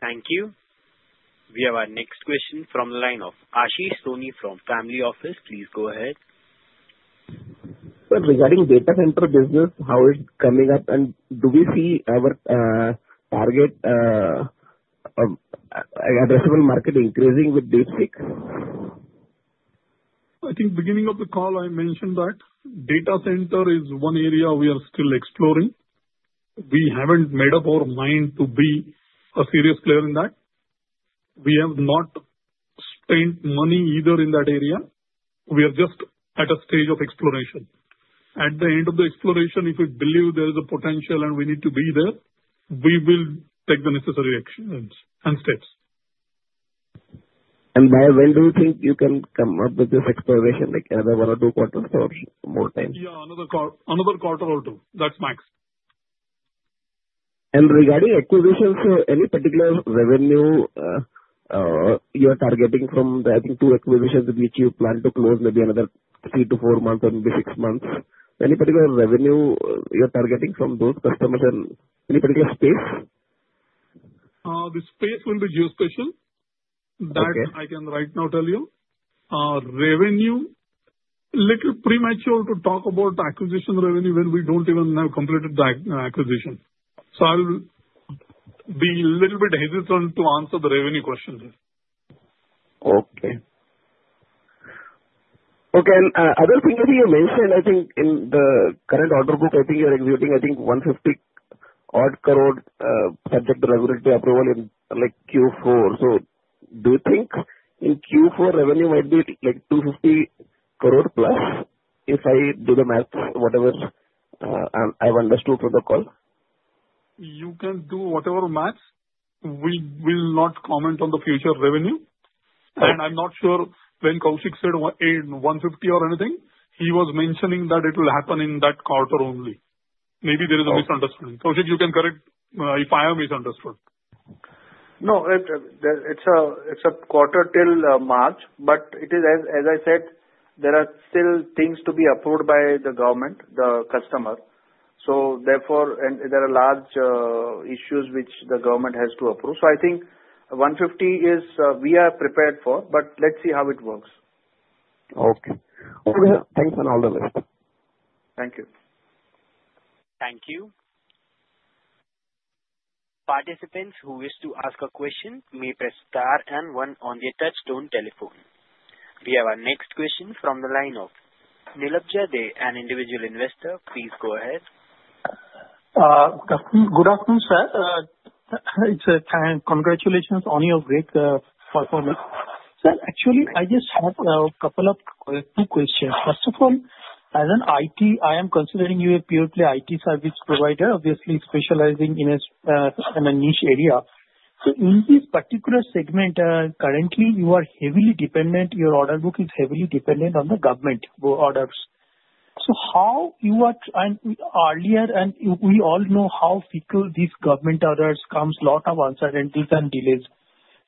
Thank you. We have our next question from the line of Ashish Soni from Family Office. Please go ahead. Sir, regarding data center business, how is it coming up, and do we see our target addressable market increasing with DeepSeek? I think at the beginning of the call, I mentioned that data center is one area we are still exploring. We haven't made up our mind to be a serious player in that. We have not spent money either in that area. We are just at a stage of exploration. At the end of the exploration, if we believe there is a potential and we need to be there, we will take the necessary actions and steps. By when do you think you can come up with this exploration? Another one or two quarters or more time? Yeah, another quarter or two. That's max. Regarding acquisitions, any particular revenue you are targeting from the, I think, two acquisitions which you plan to close maybe another three to four months or maybe six months? Any particular revenue you are targeting from those customers and any particular space? The space will be geospatial. That I can right now tell you. Revenue, a little premature to talk about acquisition revenue when we don't even have completed the acquisition. So I'll be a little bit hesitant to answer the revenue question. Okay. Okay. And another thing that you mentioned, I think in the current order book, I think you're exhibiting, I think, INR 150-odd crore subject to regulatory approval in Q4. So do you think in Q4 revenue might be 250 crore plus if I do the math, whatever I've understood from the call? You can do whatever math. We will not comment on the future revenue. And I'm not sure when Kaushik said 150 or anything, he was mentioning that it will happen in that quarter only. Maybe there is a misunderstanding. Kaushik, you can correct if I have misunderstood. No, it's a quarter till March, but it is, as I said, there are still things to be approved by the government, the customer. So therefore, there are large issues which the government has to approve. So I think 150 is we are prepared for, but let's see how it works. Okay. Okay. Thanks on all the list. Thank you. Thank you. Participants who wish to ask a question may press star and one on the touch-tone telephone. We have our next question from the line of Nilabja Dey, an individual investor. Please go ahead. Good afternoon, sir. Congratulations on your great performance. Sir, actually, I just have a couple of questions. First of all, as an IT, I am considering you a purely IT service provider, obviously specializing in a niche area. So in this particular segment, currently, you are heavily dependent, your order book is heavily dependent on the government orders. So how you are earlier, and we all know how fickle these government orders become, a lot of uncertainties and delays.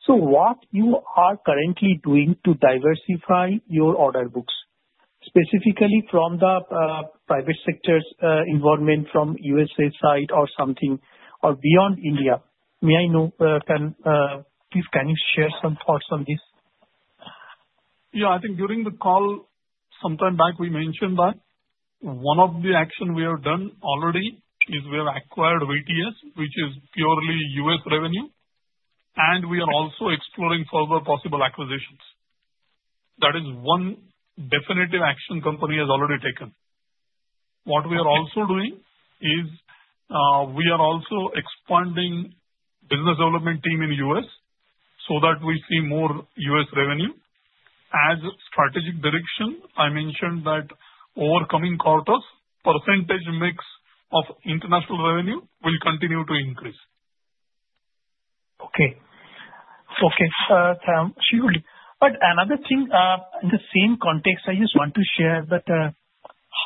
So what you are currently doing to diversify your order books, specifically from the private sector's involvement from USA side or something, or beyond India, may I know? Please, can you share some thoughts on this? Yeah. I think during the call, some time back, we mentioned that one of the actions we have done already is we have acquired VTS, which is purely U.S. revenue, and we are also exploring further possible acquisitions. That is one definitive action the company has already taken. What we are also doing is we are also expanding the business development team in the U.S. so that we see more U.S. revenue. As strategic direction, I mentioned that over the coming quarters, the percentage mix of international revenue will continue to increase. Okay. Okay. Sure, but another thing in the same context, I just want to share that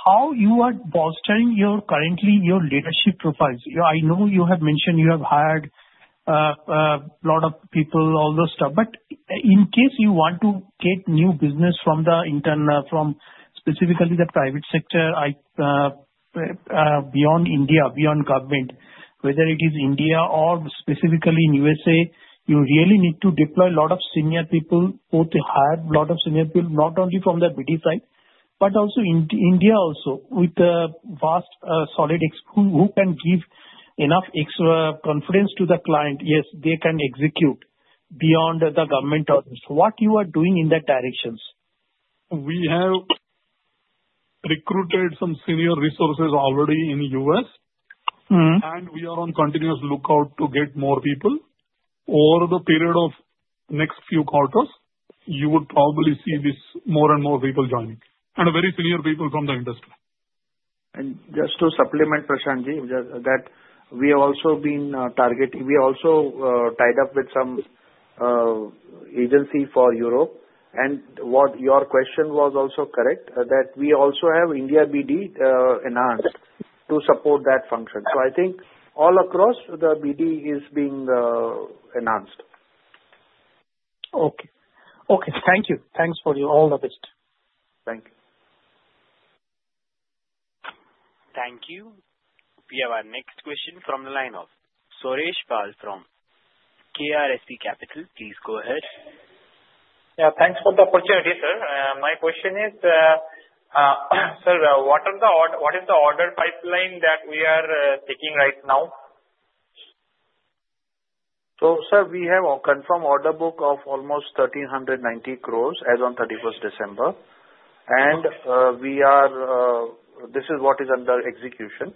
how you are bolstering currently your leadership profiles. I know you have mentioned you have hired a lot of people, all those stuff. But in case you want to get new business from the international, from specifically the private sector beyond India, beyond government, whether it is India or specifically in the USA, you really need to deploy a lot of senior people, both to hire a lot of senior people, not only from the BD side, but also in India also with the vast solid experience who can give enough confidence to the client. Yes, they can execute beyond the government orders. What you are doing in that direction? We have recruited some senior resources already in the U.S., and we are on continuous lookout to get more people. Over the period of the next few quarters, you would probably see more and more people joining, and very senior people from the industry. And just to supplement Prashant Ji that we have also been targeting. We also tied up with some agencies for Europe. And your question was also correct that we also have India BD announced to support that function. So I think all across the BD is being announced. Okay. Okay. Thank you. Thanks for all of it. Thank you. Thank you. We have our next question from the line of Suresh Pal from KRSP Capital. Please go ahead. Yeah. Thanks for the opportunity, sir. My question is, sir, what is the order pipeline that we are taking right now? So sir, we have a confirmed order book of almost 1,390 crores as of 31st December. And this is what is under execution.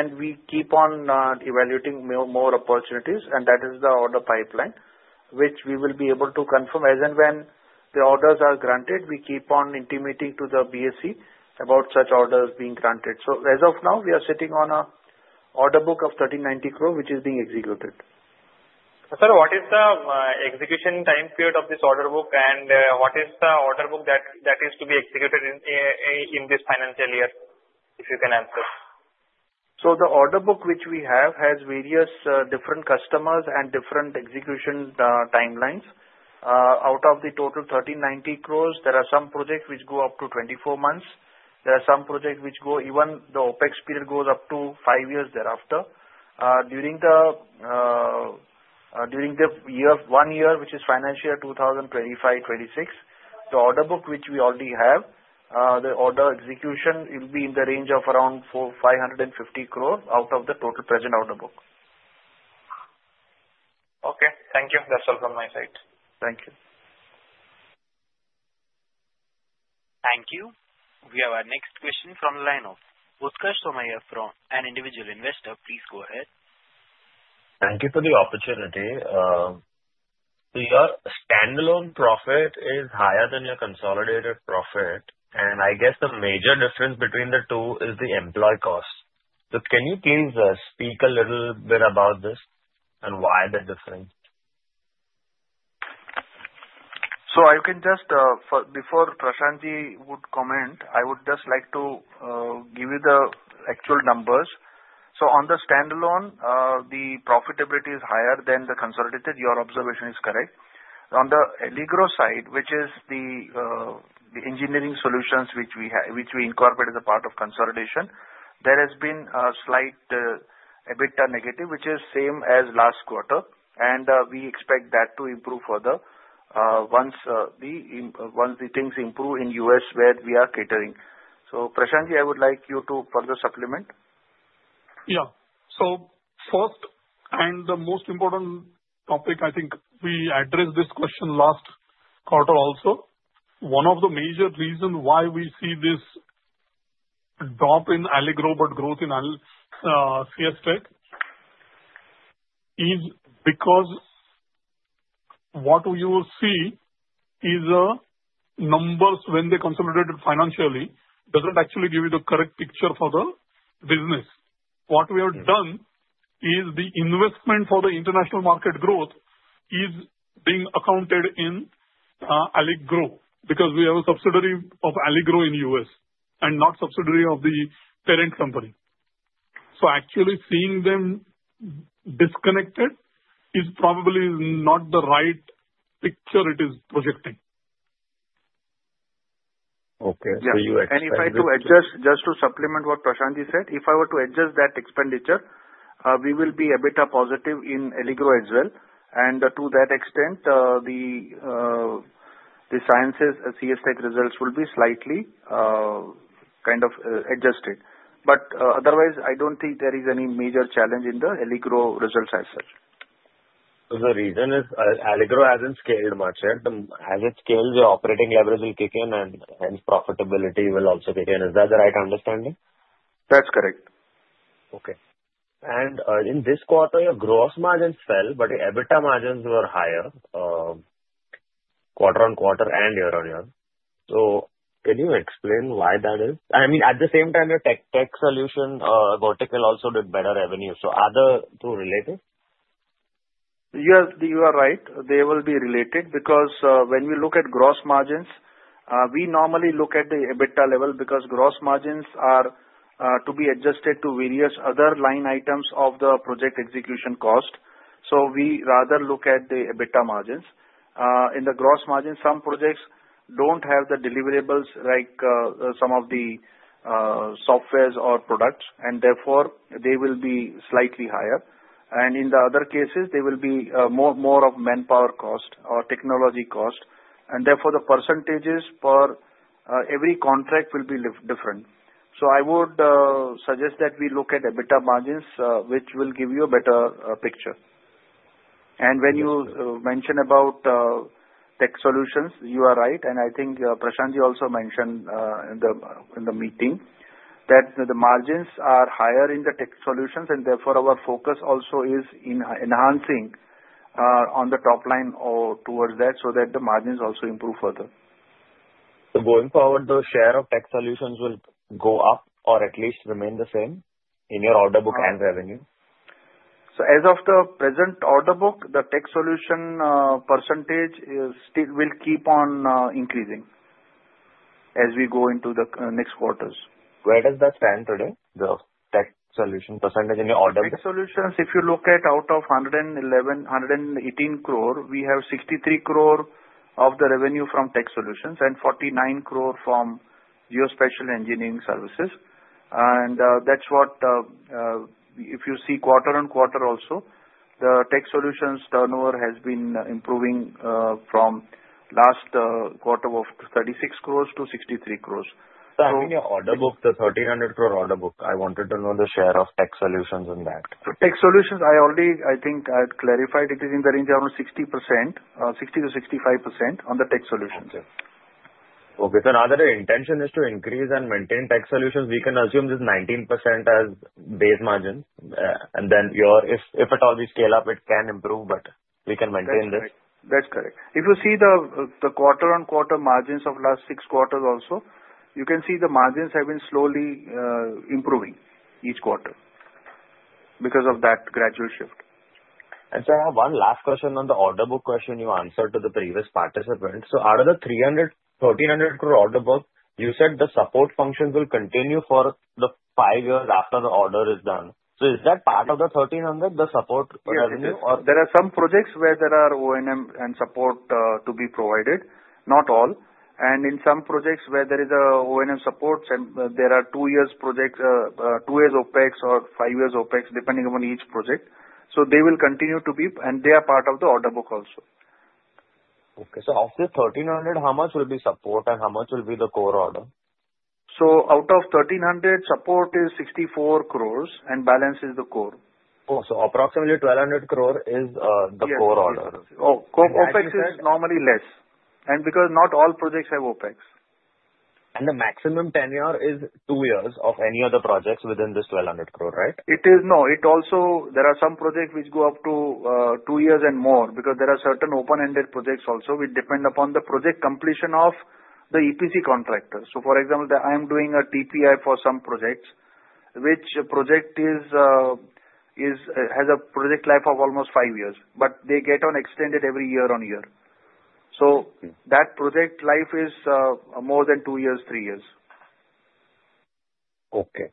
And we keep on evaluating more opportunities, and that is the order pipeline, which we will be able to confirm. As and when the orders are granted, we keep on intimating to the BSE about such orders being granted. So as of now, we are sitting on an order book of 1,390 crore, which is being executed. So sir, what is the execution time period of this order book, and what is the order book that is to be executed in this financial year? If you can answer. The order book which we have has various different customers and different execution timelines. Out of the total 1,390 crores, there are some projects which go up to 24 months. There are some projects which go even the OpEx period goes up to five years thereafter. During the one year, which is financial year 2025-2026, the order book which we already have, the order execution will be in the range of around 550 crore out of the total present order book. Okay. Thank you. That's all from my side. Thank you. Thank you. We have our next question from the line of Utkarsh Somaiya from an individual investor. Please go ahead. Thank you for the opportunity. Your standalone profit is higher than your consolidated profit. And I guess the major difference between the two is the employee cost. So can you please speak a little bit about this and why the difference? So I can just, before Prashant Ji would comment, I would just like to give you the actual numbers. So on the standalone, the profitability is higher than the consolidated. Your observation is correct. On the Allygrow side, which is the engineering solutions which we incorporate as a part of consolidation, there has been a slight EBITDA negative, which is the same as last quarter. And we expect that to improve further once the things improve in the U.S. where we are catering. So Prashant Ji, I would like you to further supplement. Yeah. So first and the most important topic, I think we addressed this question last quarter also. One of the major reasons why we see this drop in Allygrow but growth in Ceinsys Tech is because what you will see is numbers when they consolidated financially doesn't actually give you the correct picture for the business. What we have done is the investment for the international market growth is being accounted in Allygrow because we have a subsidiary of Allygrow in the U.S. and not a subsidiary of the parent company. So actually seeing them disconnected is probably not the right picture it is projecting. Okay, so you expect that. If I had to adjust, just to supplement what Prashant Ji said, if I were to adjust that expenditure, we will be a bit positive in Allygrow as well. And to that extent, the Ceinsys Tech results will be slightly kind of adjusted. But otherwise, I don't think there is any major challenge in the Allygrow results as such. So the reason is Allygrow hasn't scaled much, right? As it scales, the operating leverage will kick in, and hence profitability will also kick in. Is that the right understanding? That's correct. Okay. And in this quarter, your gross margins fell, but your EBITDA margins were higher quarter on quarter and year on year. So can you explain why that is? I mean, at the same time, your tech solutions vertical also did better revenue. So are the two related? Yes, you are right. They will be related because when we look at gross margins, we normally look at the EBITDA level because gross margins are to be adjusted to various other line items of the project execution cost. So we rather look at the EBITDA margins. In the gross margins, some projects don't have the deliverables like some of the software or products, and therefore they will be slightly higher. And in the other cases, they will be more of manpower cost or technology cost. And therefore, the percentages per every contract will be different. So I would suggest that we look at EBITDA margins, which will give you a better picture, and when you mentioned about tech solutions, you are right. I think Prashant Ji also mentioned in the meeting that the margins are higher in the tech solutions, and therefore our focus also is in enhancing on the top line towards that so that the margins also improve further. So going forward, the share of tech solutions will go up or at least remain the same in your order book and revenue? As of the present order book, the tech solution percentage will keep on increasing as we go into the next quarters. Where does that stand today, the tech solution percentage in your order book? Tech solutions, if you look at out of 118 crore, we have 63 crore of the revenue from tech solutions and 49 crore from geospatial engineering services. And that's what if you see quarter on quarter also, the tech solutions turnover has been improving from last quarter of 36 crores to 63 crores. So in your order book, the 1,300 crore order book, I wanted to know the share of tech solutions in that? Tech solutions. I already, I think, I clarified it is in the range around 60%, 60%-65% on the tech solutions. Okay. Okay, so now that your intention is to increase and maintain tech solutions, we can assume this 19% as base margin, and then if at all we scale up, it can improve, but we can maintain this. That's correct. That's correct. If you see the quarter on quarter margins of last six quarters also, you can see the margins have been slowly improving each quarter because of that gradual shift. Sir, I have one last question on the order book question you answered to the previous participant. So out of the 1,300 crore order book, you said the support functions will continue for the five years after the order is done. So is that part of the 1,300, the support revenue, or? There are some projects where there are O&M and support to be provided, not all. And in some projects where there is O&M support, there are two years OpEx or five years OpEx depending on each project. So they will continue to be, and they are part of the order book also. Okay. So out of the 1,300, how much will be support, and how much will be the core order? Out of 1,300, support is 64 crores, and balance is the core. Oh, so approximately 1,200 crore is the core order. Oh, OpEx is normally less, and because not all projects have OpEx. The maximum tenure is two years of any of the projects within this 1,200 crore, right? It is. No, there are some projects which go up to two years and more because there are certain open-ended projects also which depend upon the project completion of the EPC contractor. So for example, I am doing a TPI for some projects, which project has a project life of almost five years, but they get extended every year on year. So that project life is more than two years, three years. Okay.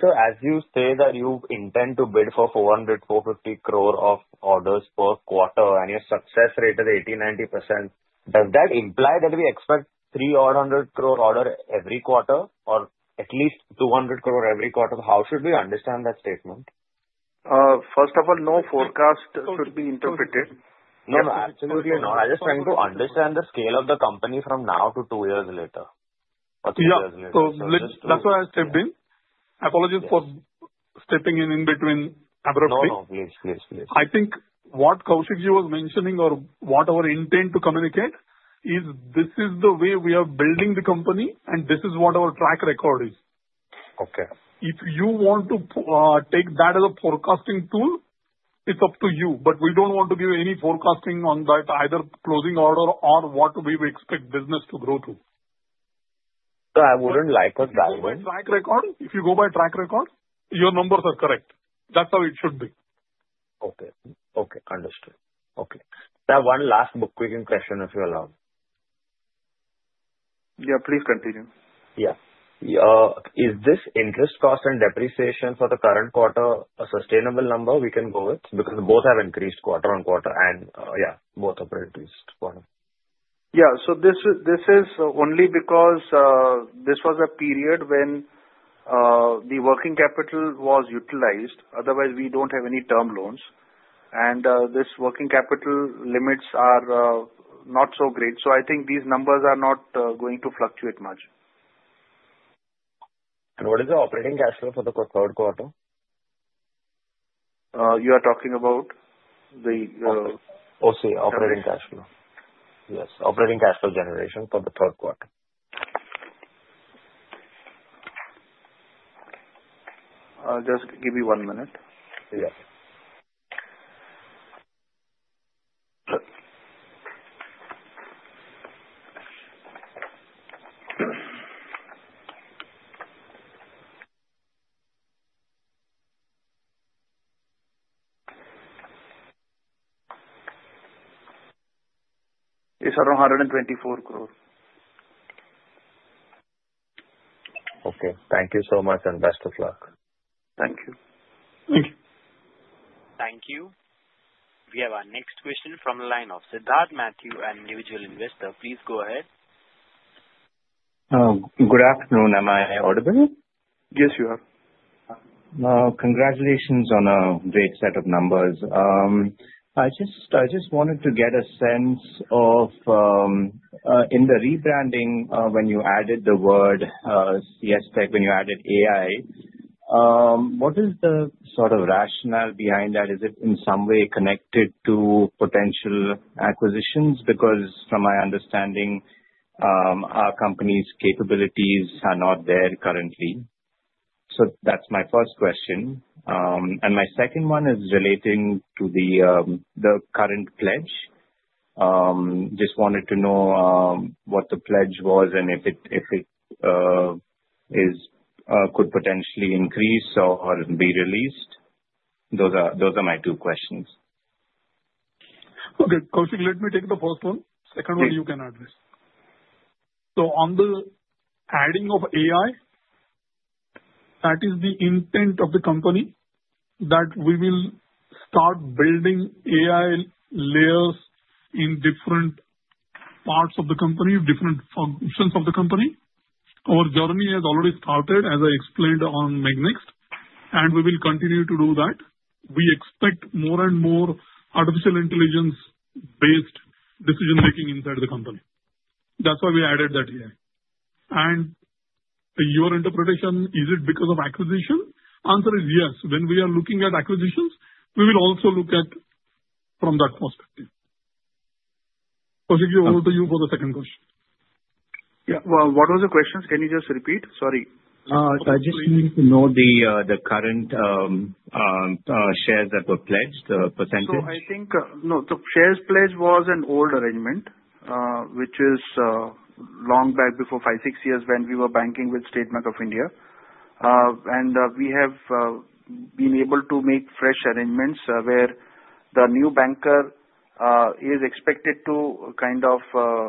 Sir, as you say that you intend to bid for 400-450 crore of orders per quarter, and your success rate is 80%-90%, does that imply that we expect 300 crore orders every quarter or at least 200 crore every quarter? How should we understand that statement? First of all, no forecast should be interpreted. No, absolutely not. I'm just trying to understand the scale of the company from now to two years later or three years later. Yeah. So that's why I stepped in. Apologies for stepping in in between abruptly. No, no. Please, please, please. I think what Kaushik Ji was mentioning, or what our intent to communicate is, this is the way we are building the company, and this is what our track record is. Okay. If you want to take that as a forecasting tool, it's up to you. But we don't want to give any forecasting on that, either closing order or what we expect business to grow to. So I wouldn't like a diamond. If you go by track record, your numbers are correct. That's how it should be. Okay. Understood. Sir, one last quick question if you allow. Yeah, please continue. Yeah. Is this interest cost and depreciation for the current quarter a sustainable number we can go with? Because both have increased quarter on quarter, and yeah, both have increased quarter. Yeah. So this is only because this was a period when the working capital was utilized. Otherwise, we don't have any term loans. And this working capital limits are not so great. So I think these numbers are not going to fluctuate much. What is the operating cash flow for the third quarter? You are talking about the? Oh, sorry. Operating cash flow. Yes. Operating cash flow generation for the third quarter. Just give me one minute. Yes. It's around INR 124 crore. Okay. Thank you so much and best of luck. Thank you. Thank you. We have our next question from the line of Siddharth Mathew, an individual investor. Please go ahead. Good afternoon. Am I audible? Yes, you are. Congratulations on a great set of numbers. I just wanted to get a sense of in the rebranding when you added the word CS Tech, when you added AI, what is the sort of rationale behind that? Is it in some way connected to potential acquisitions? Because from my understanding, our company's capabilities are not there currently. So that's my first question. And my second one is relating to the current pledge. Just wanted to know what the pledge was and if it could potentially increase or be released. Those are my two questions. Okay. Kaushik, let me take the first one. Second one, you can address, so on the adding of AI, that is the intent of the company that we will start building AI layers in different parts of the company, different functions of the company. Our journey has already started, as I explained on Meg-Nxt, and we will continue to do that. We expect more and more artificial intelligence-based decision-making inside the company. That's why we added that here, and your interpretation, is it because of acquisition? Answer is yes. When we are looking at acquisitions, we will also look at from that perspective. Kaushik, over to you for the second question. Yeah. Well, what was the question? Can you just repeat? Sorry. I just need to know the current shares that were pledged, the percentage. I think no. The shares pledge was an old arrangement, which is long back before five, six years when we were banking with State Bank of India. We have been able to make fresh arrangements where the new banker is expected to kind of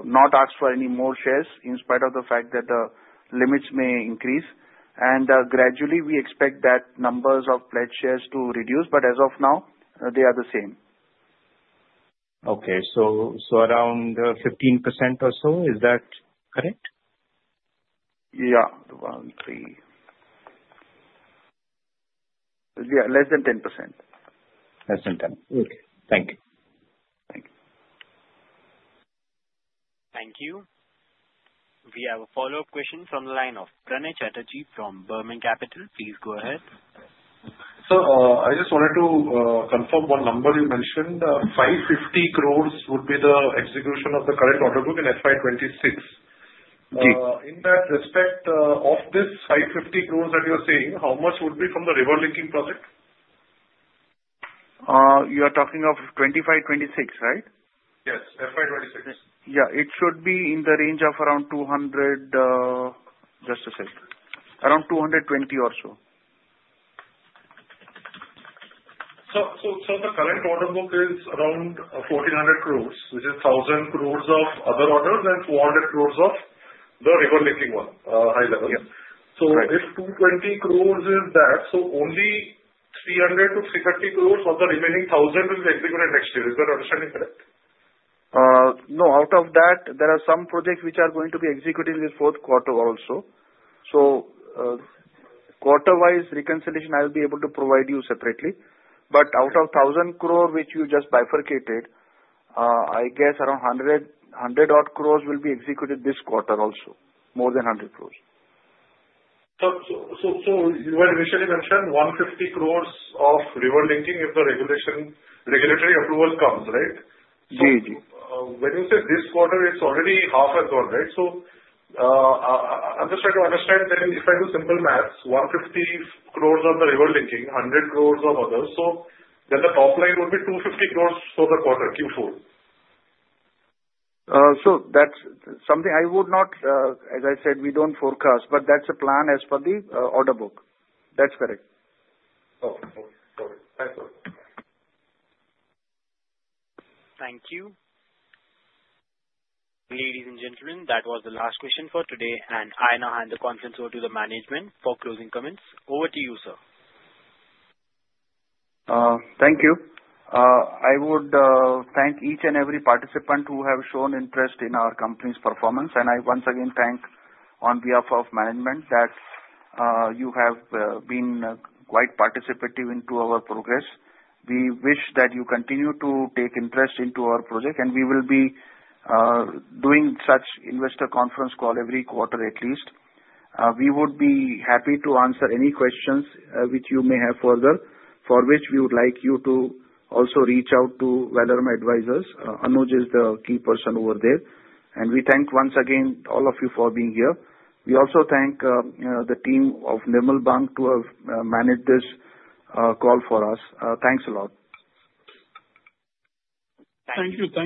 not ask for any more shares in spite of the fact that the limits may increase. Gradually, we expect that numbers of pledged shares to reduce. But as of now, they are the same. Okay. So around 15% or so. Is that correct? Yeah. One, three. Yeah, less than 10%. Less than 10%. Okay. Thank you. Thank you. Thank you. We have a follow-up question from the line of Pranay Chatterjee from Burman Capital. Please go ahead. So I just wanted to confirm one number you mentioned. 550 crores would be the execution of the current order book in FY26. In that respect, of this 550 crores that you're saying, how much would be from the river linking project? You are talking of 2025, 2026, right? Yes. FY26. Yeah. It should be in the range of around 200. Just a second. Around 220 or so. So the current order book is around 1,400 crores, which is 1,000 crores of other orders and 400 crores of the river linking one, high level. So if 220 crores is that, so only 300-350 crores of the remaining 1,000 will be executed next year. Is that understanding correct? No. Out of that, there are some projects which are going to be executed in this fourth quarter also. So quarter-wise reconciliation, I'll be able to provide you separately. But out of 1,000 crores which you just bifurcated, I guess around 100-odd crores will be executed this quarter also, more than 100 crores. So you had initially mentioned 150 crores of river linking if the regulatory approval comes, right? Yeah, yeah, yeah. So when you say this quarter, it's already half and gone, right? So I'm just trying to understand. Then if I do simple math, 150 crores of the river linking, 100 crores of others, so then the top line would be 250 crores for the quarter Q4. So that's something I would not, as I said, we don't forecast, but that's the plan as per the order book. That's correct. Oh, okay. Okay. Thanks. Thank you. Ladies and gentlemen, that was the last question for today. And I now hand the conference over to the management for closing comments. Over to you, sir. Thank you. I would thank each and every participant who have shown interest in our company's performance, and I once again thank on behalf of management that you have been quite participative into our progress. We wish that you continue to take interest into our project, and we will be doing such investor conference call every quarter at least. We would be happy to answer any questions which you may have further, for which we would like you to also reach out to Valorem Advisors. Anuj is the key person over there, and we thank once again all of you for being here. We also thank the team of Nirmal Bang to have managed this call for us. Thanks a lot. Thank you. Thank you.